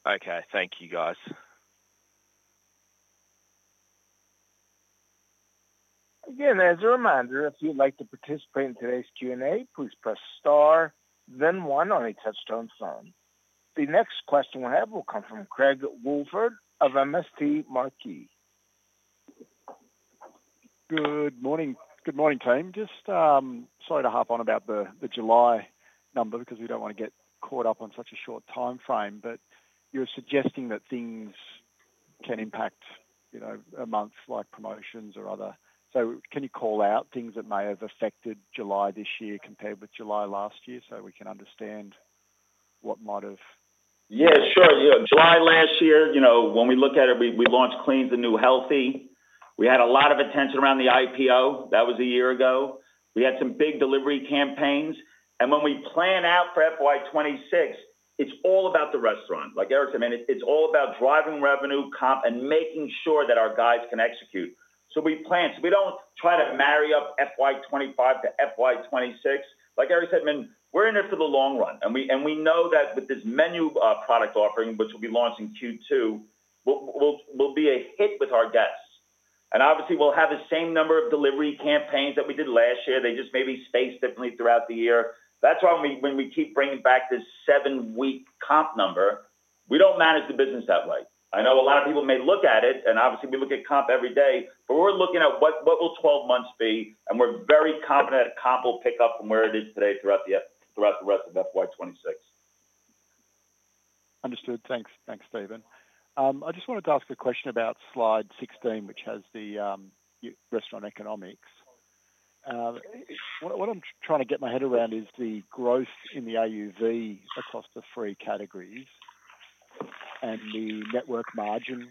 OK, thank you, guys. Again, as a reminder, if you'd like to participate in today's Q&A, please press star, then one on a touch-tone phone. The next question we have will come from Craig Woolford of MST Marquee. Good morning. Good morning, team. Sorry to hop on about the July number because we don't want to get caught up on such a short time frame. You're suggesting that things can impact, you know, a month like promotions or other. Can you call out things that may have affected July this year compared with July last year so we can understand what might have? Yeah, sure. July last year, when we look at it, we launched Clean to New Healthy. We had a lot of attention around the IPO. That was a year ago. We had some big delivery campaigns. When we plan out for FY 2026, it's all about the restaurant. Like Erik said, man, it's all about driving revenue, comp, and making sure that our guys can execute. We plan. We don't try to marry up FY 2025 to FY 2026. Like Erik said, man, we're in it for the long run. We know that with this menu product offering, which will be launched in Q2, we'll be a hit with our guests. Obviously, we'll have the same number of delivery campaigns that we did last year. They just may be spaced differently throughout the year. That's why when we keep bringing back this seven-week comp number, we don't manage the business that way. I know a lot of people may look at it. Obviously, we look at comp every day. We're looking at what will 12 months be. We're very confident that comp will pick up from where it is today throughout the rest of FY 2026. Understood. Thanks, thanks, Steven. I just wanted to ask a question about slide 16, which has the restaurant economics. What I'm trying to get my head around is the growth in the AUV across the three categories and the network margin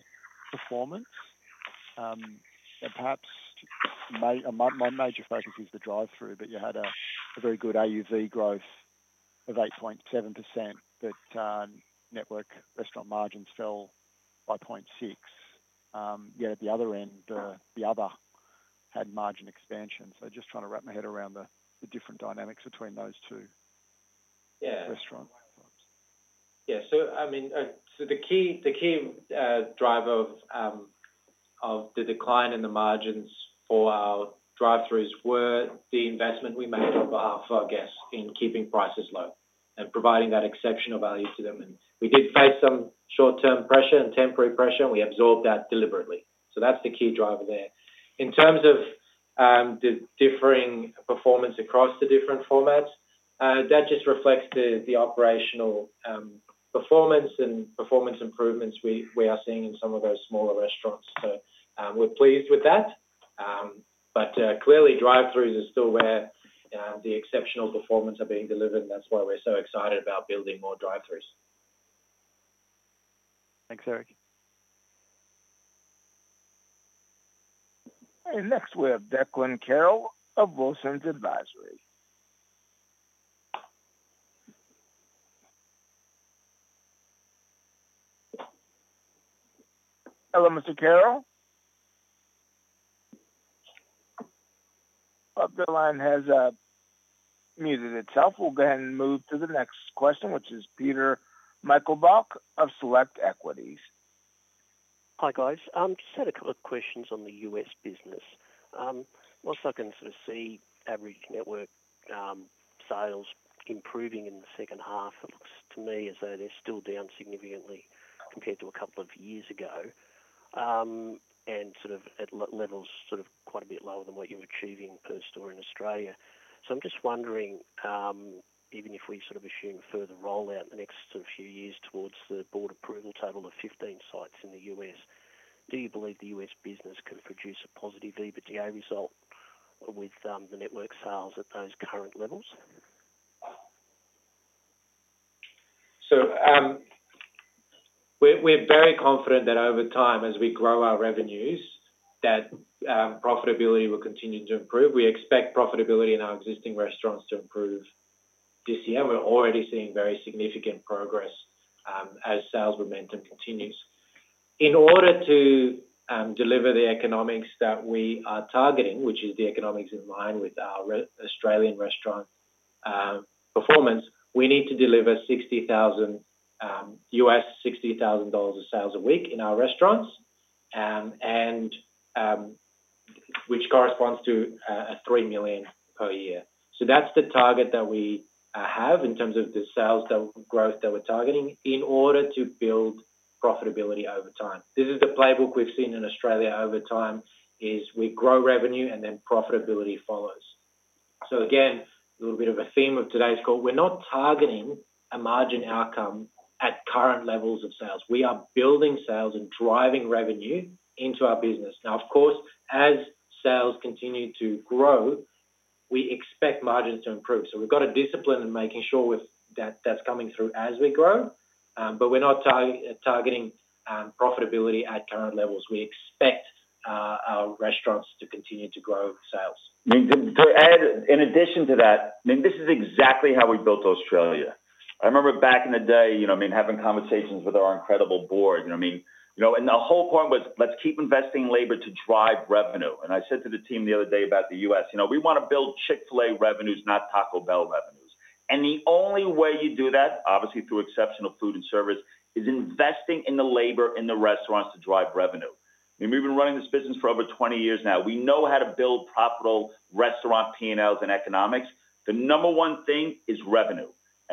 performance. Perhaps my major focus is the drive-through, but you had a very good AUV growth of 8.7%. Network restaurant margins fell by 0.6%. Yet at the other end, the other had margin expansion. Just trying to wrap my head around the different dynamics between those two restaurants. Yeah, the key driver of the decline in the margins for our drive-throughs was the investment we made on behalf of our guests in keeping prices low and providing that exceptional value to them. We did face some short-term pressure and temporary pressure, and we absorbed that deliberately. That's the key driver there. In terms of the differing performance across the different formats, that just reflects the operational performance and performance improvements we are seeing in some of those smaller restaurants. We're pleased with that. Drive-throughs are still where the exceptional performance is being delivered. That's why we're so excited about building more drive-throughs. Thanks, Erik. Next, we have Declan Carroll of Wilsons Advisory. Hello, Mr. Carroll. The line has muted itself. We'll then move to the next question, which is Peter Meichelboeck of Select Equities. Hi, guys. I just had a couple of questions on the U.S. business. Whilst I can sort of see average network sales improving in the second half, it looks to me as though they're still down significantly compared to a couple of years ago. They're at levels quite a bit lower than what you're achieving per store in Australia. I'm just wondering, even if we assume further rollout in the next few years towards the board approval table of 15 sites in the U.S., do you believe the U.S. business can produce a positive EBITDA result with the network sales at those current levels? We are very confident that over time, as we grow our revenues, profitability will continue to improve. We expect profitability in our existing restaurants to improve this year, and we are already seeing very significant progress as sales momentum continues. In order to deliver the economics that we are targeting, which is the economics in line with our Australian restaurant performance, we need to deliver $60,000 of sales a week in our restaurants, which corresponds to 3 million per year. That is the target that we have in terms of the sales growth that we are targeting in order to build profitability over time. This is the playbook we have seen in Australia over time: we grow revenue and then profitability follows. A little bit of a theme of today's call is that we are not targeting a margin outcome at current levels of sales. We are building sales and driving revenue into our business. Of course, as sales continue to grow, we expect margins to improve. We have got to be disciplined in making sure that is coming through as we grow, but we are not targeting profitability at current levels. We expect our restaurants to continue to grow sales. To add, in addition to that, this is exactly how we built Australia. I remember back in the day, having conversations with our incredible board, and the whole point was, let's keep investing in labor to drive revenue. I said to the team the other day about the U.S., we want to build Chick-fil-A revenues, not Taco Bell revenues. The only way you do that, obviously, through exceptional food and service, is investing in the labor in the restaurants to drive revenue. We've been running this business for over 20 years now. We know how to build profitable restaurant P&Ls and economics. The number one thing is revenue.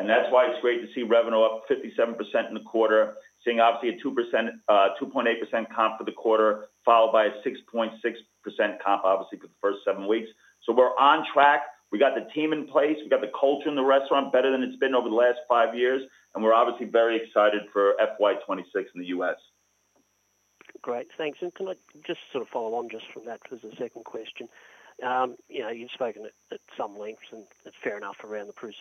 That's why it's great to see revenue up 57% in the quarter, seeing a 2.8% comp for the quarter, followed by a 6.6% comp for the first seven weeks. We're on track. We got the team in place. We got the culture in the restaurant better than it's been over the last five years. We're very excited for FY 2026 in the U.S. Great, thanks. Can I just sort of follow on from that for the second question? You've spoken at some length, and it's fair enough around the proof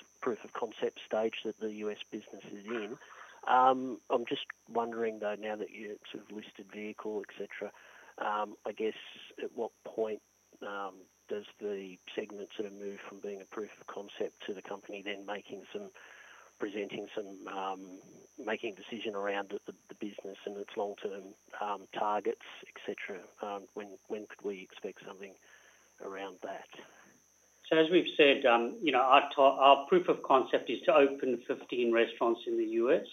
of concept stage that the U.S. business is in. I'm just wondering, now that you're sort of a listed vehicle, et cetera, at what point does the segment move from being a proof of concept to the company then making some, presenting some, making a decision around the business and its long-term targets, et cetera? When could we expect something around that? As we've said, our proof of concept is to open 15 restaurants in the U.S.,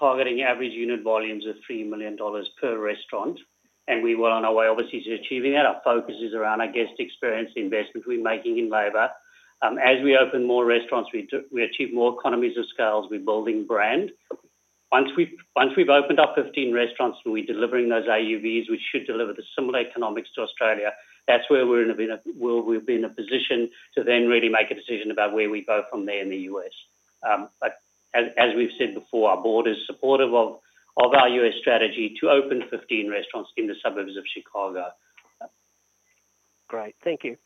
targeting average unit volumes of 3 million dollars per restaurant. We're well on our way, obviously, to achieving that. Our focus is around our guest experience, the investment we're making in labor. As we open more restaurants, we achieve more economies of scale. We're building brand. Once we've opened up 15 restaurants and we're delivering those AUVs, we should deliver similar economics to Australia. That's where we're in a position to then really make a decision about where we go from there in the U.S. As we've said before, our board is supportive of our U.S. strategy to open 15 restaurants in the suburbs of Chicago. Great, thank you.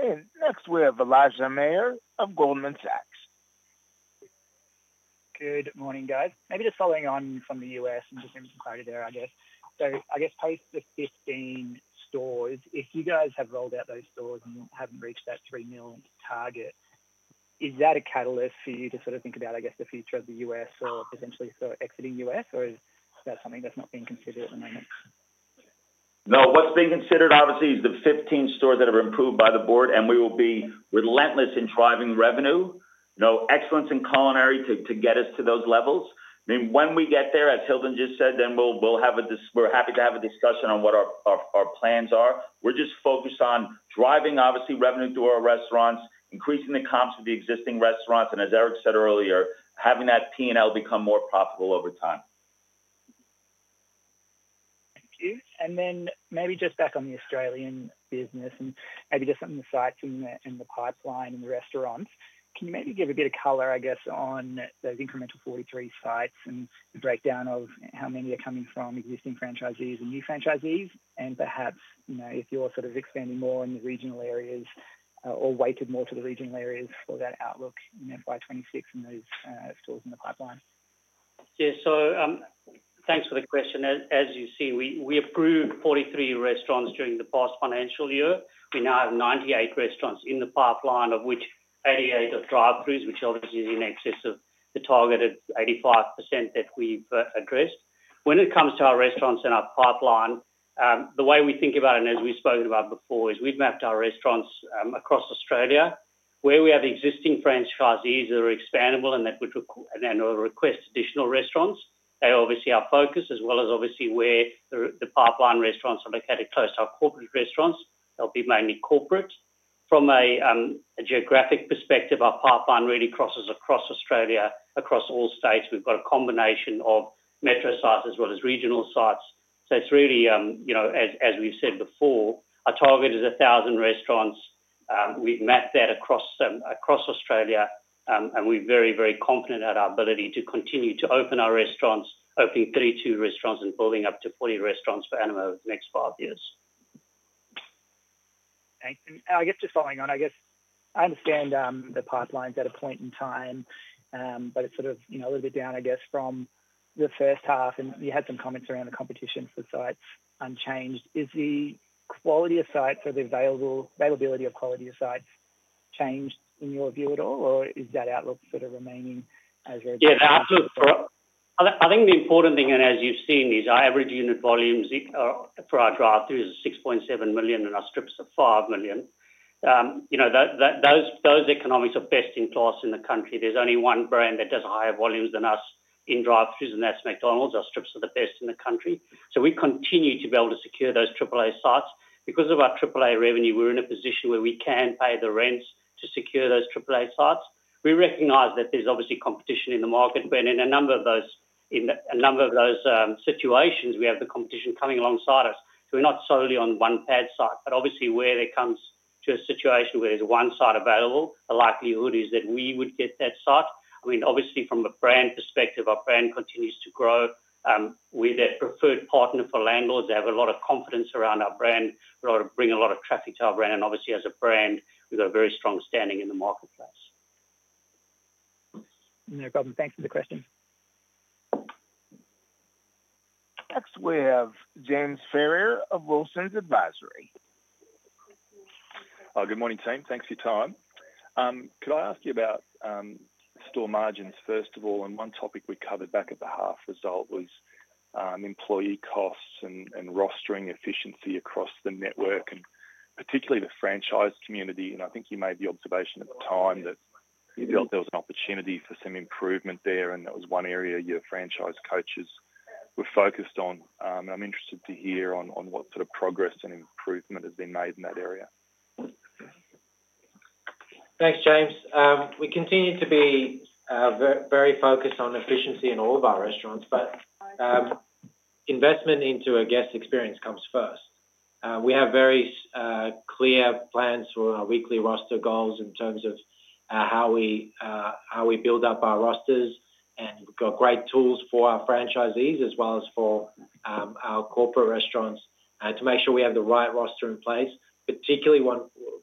Next, we have Elijah Mayr of Goldman Sachs. Good morning, guys. Maybe just following on from the U.S. and just getting some clarity there, I guess. Post the 15 stores, if you guys have rolled out those stores and you haven't reached that 3 million target, is that a catalyst for you to think about the future of the U.S. or potentially exiting the U.S.? Or is that something that's not being considered at the moment? No, what's being considered, obviously, is the 15 stores that are approved by the board. We will be relentless in driving revenue, excellence in culinary to get us to those levels. I mean, when we get there, as Hilton just said, we're happy to have a discussion on what our plans are. We're just focused on driving, obviously, revenue through our restaurants, increasing the comps with the existing restaurants, and as Erik said earlier, having that P&L become more profitable over time. Thank you. Maybe just back on the Australian business and on the sites in the pipeline and the restaurants, can you give a bit of color on those incremental 43 sites and the breakdown of how many are coming from existing franchisees and new franchisees? Perhaps, if you're expanding more in the regional areas or weighted more to the regional areas for that outlook in FY 2026 and those stores in the pipeline? Yeah, so thanks for the question. As you see, we approved 43 restaurants during the past financial year. We now have 98 restaurants in the pipeline, of which 88 are drive-throughs, which obviously is in excess of the targeted 85% that we've addressed. When it comes to our restaurants in our pipeline, the way we think about it, and as we've spoken about before, is we've mapped our restaurants across Australia. Where we have existing franchisees that are expandable and that would request additional restaurants, they're obviously our focus, as well as where the pipeline restaurants are located close to our corporate restaurants. They'll be mainly corporate. From a geographic perspective, our pipeline really crosses across Australia, across all states. We've got a combination of metro sites as well as regional sites. It's really, you know, as we've said before, our target is 1,000 restaurants. We've mapped that across Australia. We're very, very confident in our ability to continue to open our restaurants, opening 32 restaurants and building up to 40 restaurants for NMO over the next five years. Thanks. I guess just following on, I understand the pipeline is at a point in time, but it's sort of, you know, a little bit down from the first half. You had some comments around the competition for sites unchanged. Is the quality of sites or the availability of quality sites changed in your view at all, or is that outlook sort of remaining as they're? Yeah, absolutely. I think the important thing, and as you've seen, is our average unit volumes for our drive-throughs is 6.7 million and our strips are 5 million. You know, those economics are best in class in the country. There's only one brand that does higher volumes than us in drive-throughs, and that's McDonald's. Our strips are the best in the country. We continue to be able to secure those AAA sites because of our AAA revenue. We're in a position where we can pay the rent to secure those AAA sites. We recognize that there's obviously competition in the market. In a number of those situations, we have the competition coming alongside us. We're not solely on one-pad site. Obviously, where it comes to a situation where there's one site available, the likelihood is that we would get that site. I mean, obviously, from a brand perspective, our brand continues to grow. We're the preferred partner for landlords. They have a lot of confidence around our brand. We bring a lot of traffic to our brand. Obviously, as a brand, we've got a very strong standing in the marketplace. No problem. Thanks for the question. Next, we have James Ferrier of Wilsons Advisory. Good morning, team. Thanks for your time. Could I ask you about store margins, first of all? One topic we covered back at the half result was employee costs and rostering efficiency across the network, particularly the franchise community. I think you made the observation at the time that you felt there was an opportunity for some improvement there. That was one area your franchise coaches were focused on. I'm interested to hear what sort of progress and improvement has been made in that area. Thanks, James. We continue to be very focused on efficiency in all of our restaurants. Investment into a guest experience comes first. We have very clear plans for our weekly roster goals in terms of how we build up our rosters. We've got great tools for our franchisees, as well as for our corporate restaurants, to make sure we have the right roster in place, particularly with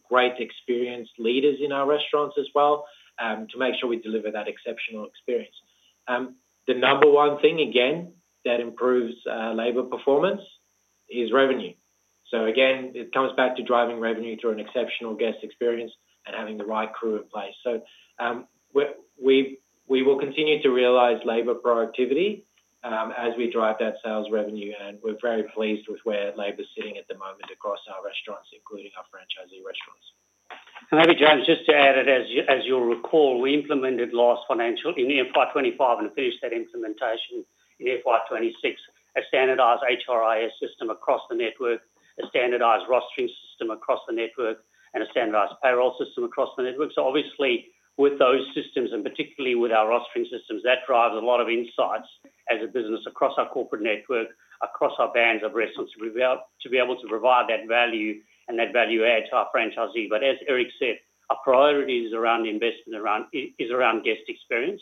great experienced leaders in our restaurants as well, to make sure we deliver that exceptional experience. The number one thing, again, that improves labor performance is revenue. It comes back to driving revenue through an exceptional guest experience and having the right crew in place. We will continue to realize labor productivity as we drive that sales revenue. We're very pleased with where labor is sitting at the moment across our restaurants, including our franchisee restaurants. Maybe, James, just to add, as you'll recall, we implemented last financial year in FY 2025 and finished that implementation in FY 2026, a standardized HRIS system across the network, a standardized rostering system across the network, and a standardized payroll system across the network. Obviously, with those systems, and particularly with our rostering systems, that drives a lot of insights as a business across our corporate network, across our bands of restaurants, to be able to provide that value and that value add to our franchisees. As Erik said, our priority is around the investment, is around guest experience.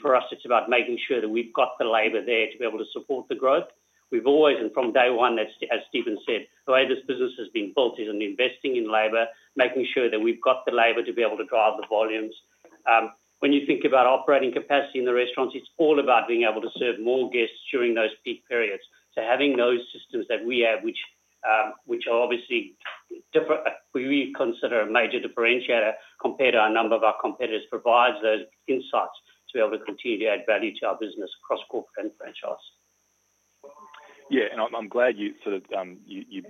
For us, it's about making sure that we've got the labor there to be able to support the growth. We've always, and from day one, as Steven said, the way this business has been built is investing in labor, making sure that we've got the labor to be able to drive the volumes. When you think about operating capacity in the restaurants, it's all about being able to serve more guests during those peak periods. Having those systems that we have, which are obviously different, we consider a major differentiator compared to a number of our competitors, provides those insights to be able to continue to add value to our business across corporate and franchise. Yeah, I'm glad you've sort of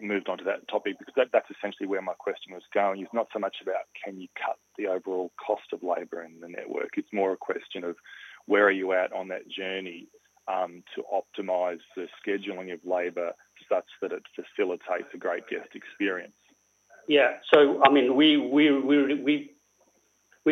moved on to that topic because that's essentially where my question was going. It's not so much about can you cut the overall cost of labor in the network. It's more a question of where are you at on that journey to optimize the scheduling of labor such that it facilitates a great guest experience. Yeah, so I mean, we're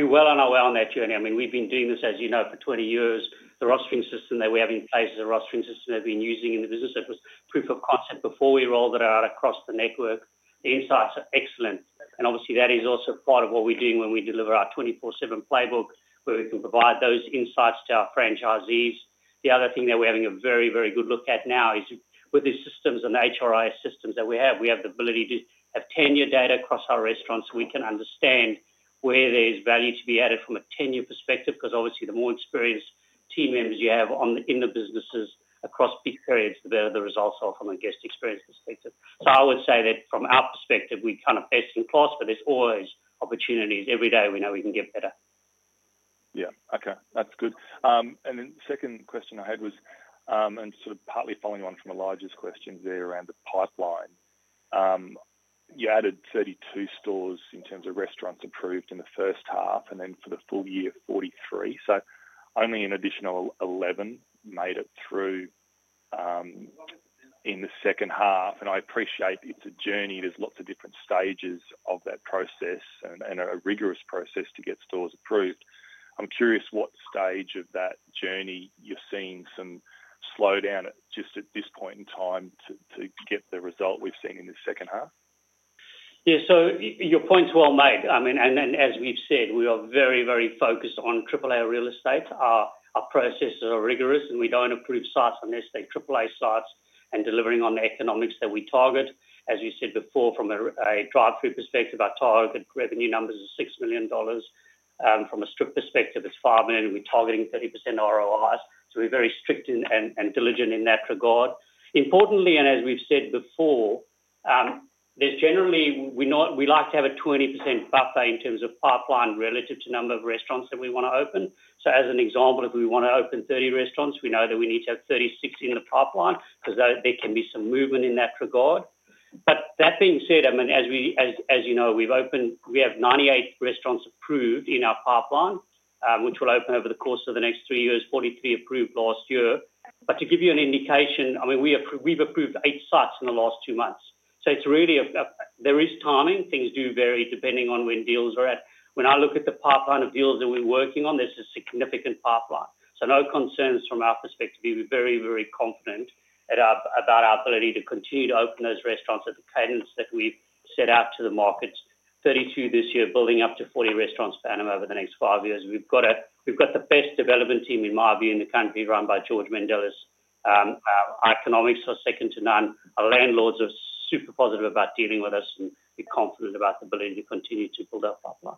well on our way on that journey. I mean, we've been doing this, as you know, for 20 years. The rostering system that we're having in place is a rostering system that we've been using in the business. It was proof of concept before we rolled it out across the network. The insights are excellent. Obviously, that is also part of what we're doing when we deliver our 24/7 playbook, where we can provide those insights to our franchisees. The other thing that we're having a very, very good look at now is with these systems and HRIS systems that we have, we have the ability to have 10-year data across our restaurants. We can understand where there's value to be added from a 10-year perspective, because obviously, the more experienced team members you have in the businesses across peak periods, the better the results are from a guest experience perspective. I would say that from our perspective, we're kind of best in class. There's always opportunities. Every day, we know we can get better. OK, that's good. The second question I had was, partly following on from Elijah's question there around the pipeline, you added 32 stores in terms of restaurants approved in the first half, and then for the full year, 43. Only an additional 11 made it through in the second half. I appreciate it's a journey. There are lots of different stages of that process and a rigorous process to get stores approved. I'm curious what stage of that journey you're seeing some slowdown just at this point in time to get the result we've seen in the second half? Yeah, your point's well made. I mean, as we've said, we are very, very focused on AAA real estate. Our processes are rigorous, and we don't approve sites unless they're AAA sites and delivering on the economics that we target. As we said before, from a drive-through perspective, our target revenue numbers are 6 million dollars. From a strip perspective, it's 5 million. We're targeting 30% ROIs, so we're very strict and diligent in that regard. Importantly, as we've said before, we generally like to have a 20% buffer in terms of pipeline relative to the number of restaurants that we want to open. For example, if we want to open 30 restaurants, we know that we need to have 36 in the pipeline because there can be some movement in that regard. That being said, as you know, we have 98 restaurants approved in our pipeline, which will open over the course of the next three years, 43 approved last year. To give you an indication, we've approved eight sites in the last two months. There is timing. Things do vary depending on when deals are at. When I look at the pipeline of deals that we're working on, there's a significant pipeline. No concerns from our perspective. We're very, very confident about our ability to continue to open those restaurants at the cadence that we've set out to the markets, 32 this year, building up to 40 restaurants per annum over the next five years. We've got the best development team, in my view, in the country, run by George Mendelis. Our economics are second to none. Our landlords are super positive about dealing with us, and we're confident about the ability to continue to build our pipeline.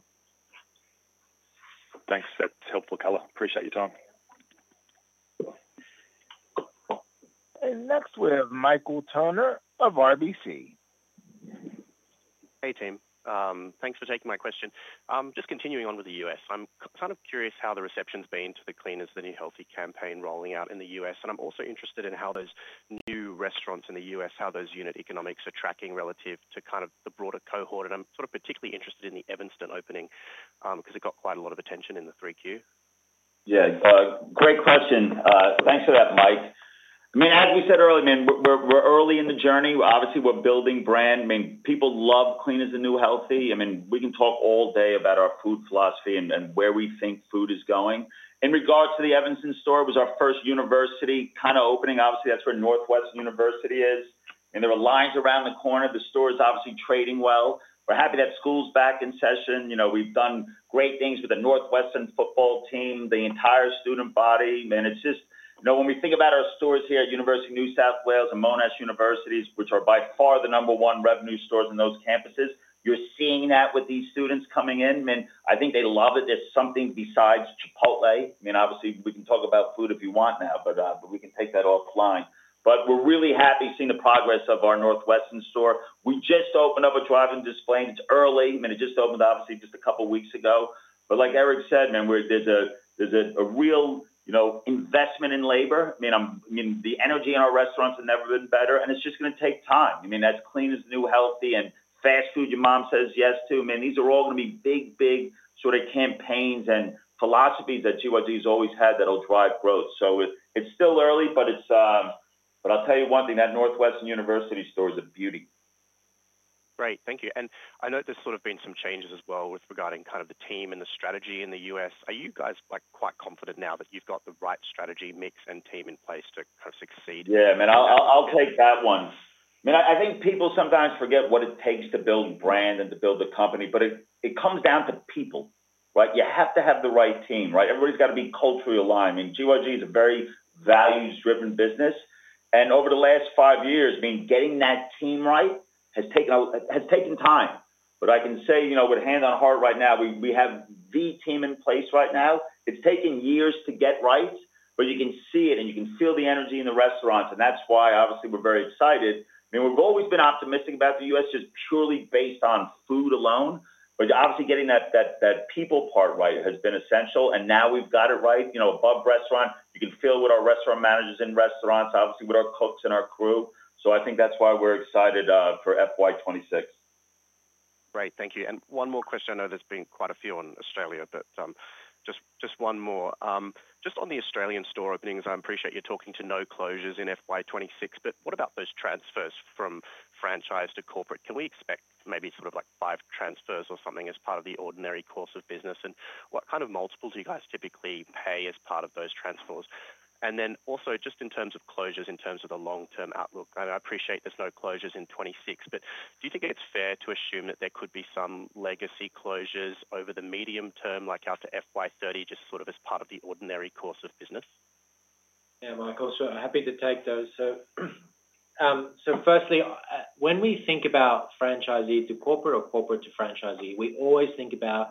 Thanks. That's helpful, Carla. Appreciate your time. Next, we have Michael Turner of RBC. Hey, team. Thanks for taking my question. Just continuing on with the U.S., I'm kind of curious how the reception's been to the Clean as the New Healthy campaign rolling out in the U.S. I'm also interested in how those new restaurants in the U.S., how those unit economics are tracking relative to kind of the broader cohort. I'm particularly interested in the Evanston opening because it got quite a lot of attention in the 3Q. Yeah, great question. Thanks for that, Mike. As we said earlier, we're early in the journey. Obviously, we're building brand. People love Clean as the New Healthy. We can talk all day about our food philosophy and where we think food is going. In regards to the Evanston store, it was our first university kind of opening. Obviously, that's where Northwestern University is, and there were lines around the corner. The store is obviously trading well. We're happy that school's back in session. We've done great things with the Northwestern football team, the entire student body. When we think about our stores here at University of New South Wales and Monash Universities, which are by far the number one revenue stores in those campuses, you're seeing that with these students coming in. I think they love it. There's something besides Chipotle. Obviously, we can talk about food if you want now. We can take that offline. We're really happy seeing the progress of our Northwestern store. We just opened up a drive-in display. It's early. It just opened, obviously, just a couple of weeks ago. Like Erik said, there's a real investment in labor. The energy in our restaurants has never been better. It's just going to take time. That's Clean as the New Healthy and fast food your mom says yes to. These are all going to be big, big sort of campaigns and philosophies that GYG has always had that will drive growth. It's still early, but I'll tell you one thing, that Northwestern University store is a beauty. Great, thank you. I know there's sort of been some changes as well regarding kind of the team and the strategy in the U.S. Are you guys quite confident now that you've got the right strategy mix and team in place to kind of succeed? Yeah, I'll take that one. I think people sometimes forget what it takes to build brand and to build a company. It comes down to people, right? You have to have the right team, right? Everybody's got to be culturally aligned. GYG is a very values-driven business. Over the last five years, getting that team right has taken time. I can say, with hand on heart right now, we have the team in place right now. It's taken years to get right. You can see it, and you can feel the energy in the restaurants. That's why we're very excited. We've always been optimistic about the U.S. just purely based on food alone. Getting that people part right has been essential. Now we've got it right, above restaurant. You can feel what our restaurant managers in restaurants, with our cooks and our crew. I think that's why we're excited for FY2026. Great, thank you. One more question. I know there's been quite a few on Australia. Just one more. Just on the Australian store openings, I appreciate you're talking to no closures in FY2026. What about those transfers from franchise to corporate? Can we expect maybe sort of like five transfers or something as part of the ordinary course of business? What kind of multiples do you guys typically pay as part of those transfers? Also, just in terms of closures, in terms of the long-term outlook, I appreciate there's no closures in 2026. Do you think it's fair to assume that there could be some legacy closures over the medium term, like after FY2030, just sort of as part of the ordinary course of business? Yeah, Michael, sure. Happy to take those. Firstly, when we think about franchisee to corporate or corporate to franchisee, we always think about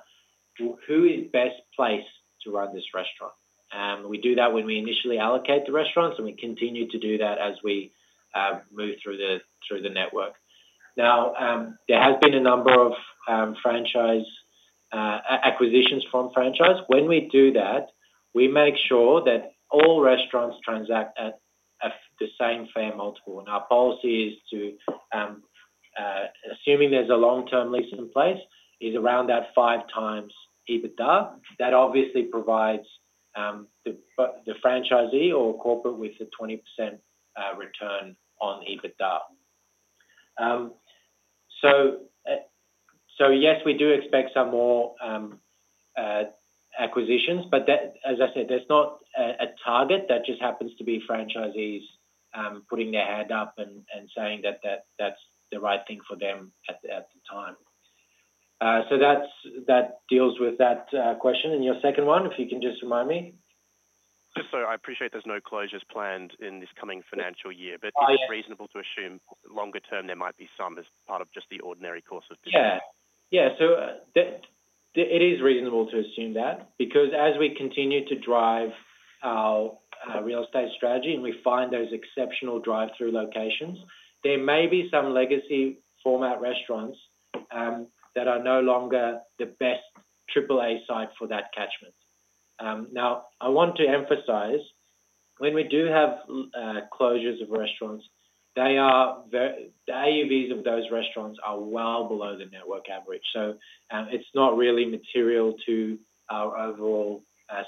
who is best placed to run this restaurant. We do that when we initially allocate the restaurants, and we continue to do that as we move through the network. There have been a number of acquisitions from franchise. When we do that, we make sure that all restaurants transact at the same fair multiple. Our policy is to, assuming there's a long-term lease in place, is around that five times EBITDA. That obviously provides the franchisee or corporate with a 20% return on EBITDA. Yes, we do expect some more acquisitions. As I said, that's not a target. That just happens to be franchisees putting their hand up and saying that that's the right thing for them at the time. That deals with that question. Your second one, if you can just remind me. I appreciate there's no closures planned in this coming financial year. Is it reasonable to assume longer term, there might be some as part of just the ordinary course of business? Yeah, yeah, it is reasonable to assume that because as we continue to drive our real estate strategy and we find those exceptional drive-through locations, there may be some legacy format restaurants that are no longer the best AAA site for that catchment. I want to emphasize, when we do have closures of restaurants, the AUVs of those restaurants are well below the network average. It's not really material to our overall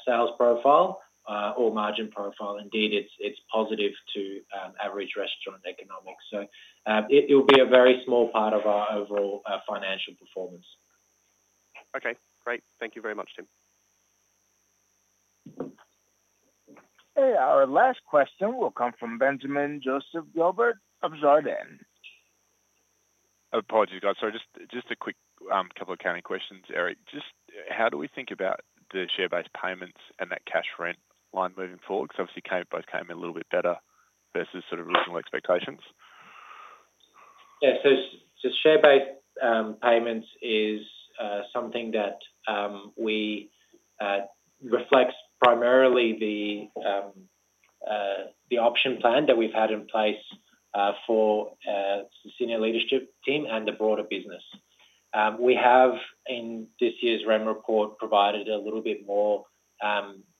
sales profile or margin profile. Indeed, it's positive to average restaurant economics. It'll be a very small part of our overall financial performance. Okay. Great. Thank you very much, Tim. Hey, our last question will come from Benjamin Joseph Gilbert of Jarden. Apologies. Sorry. Just a quick couple of county questions, Erik. Just how do we think about the share-based payments and that cash rent line moving forward? Because obviously, it both came in a little bit better versus sort of reasonable expectations. Yeah. Share-based payments is something that reflects primarily the option plan that we've had in place for the Senior Leadership Team and the broader business. We have, in this year's REN report, provided a little bit more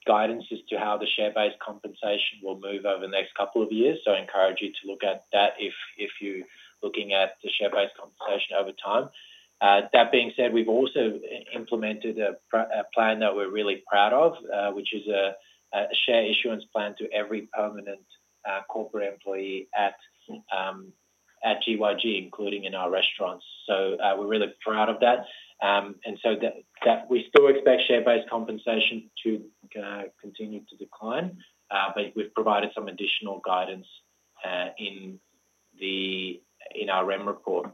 guidance as to how the share-based compensation will move over the next couple of years. I encourage you to look at that if you're looking at the share-based compensation over time. That being said, we've also implemented a plan that we're really proud of, which is a share issuance plan to every permanent corporate employee at GYG, including in our restaurants. We're really proud of that. We still expect share-based compensation to continue to decline, but we've provided some additional guidance in our REN report.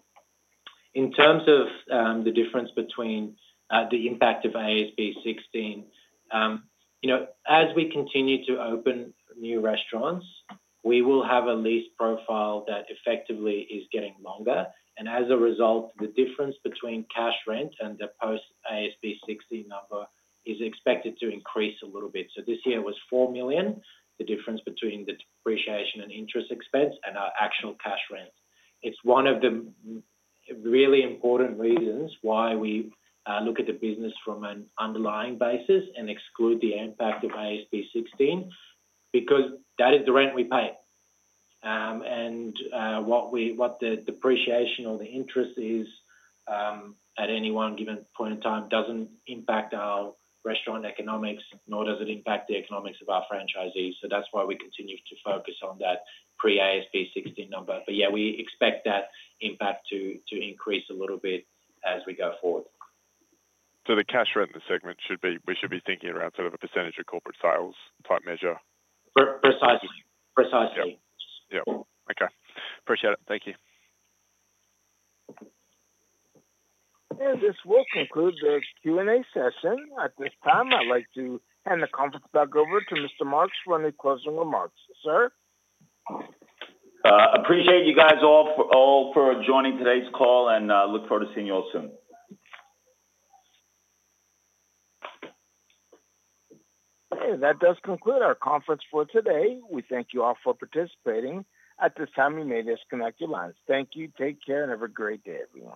In terms of the difference between the impact of AASB 16, as we continue to open new restaurants, we will have a lease profile that effectively is getting longer. As a result, the difference between cash rent and the post-AASB 16 number is expected to increase a little bit. This year was 4 million, the difference between the depreciation and interest expense, and our actual cash rent. It's one of the really important reasons why we look at the business from an underlying basis and exclude the impact of AASB 16 because that is the rent we pay. What the depreciation or the interest is at any one given point in time doesn't impact our restaurant economics, nor does it impact the economics of our franchisees. That's why we continue to focus on that pre-AASB 16 number. We expect that impact to increase a little bit as we go forward. The cash rent in the segment should be, we should be thinking around sort of a % of corporate sales type measure. Precisely. Precisely. Yeah. Yeah. Okay. Appreciate it. Thank you. This will conclude the Q&A session. At this time, I'd like to hand the conference back over to Mr. Marks for any closing remarks. Sir? Appreciate you guys all for joining today's call, and I look forward to seeing you all soon. That does conclude our conference for today. We thank you all for participating. At this time, we may disconnect the lines. Thank you. Take care, and have a great day. We will.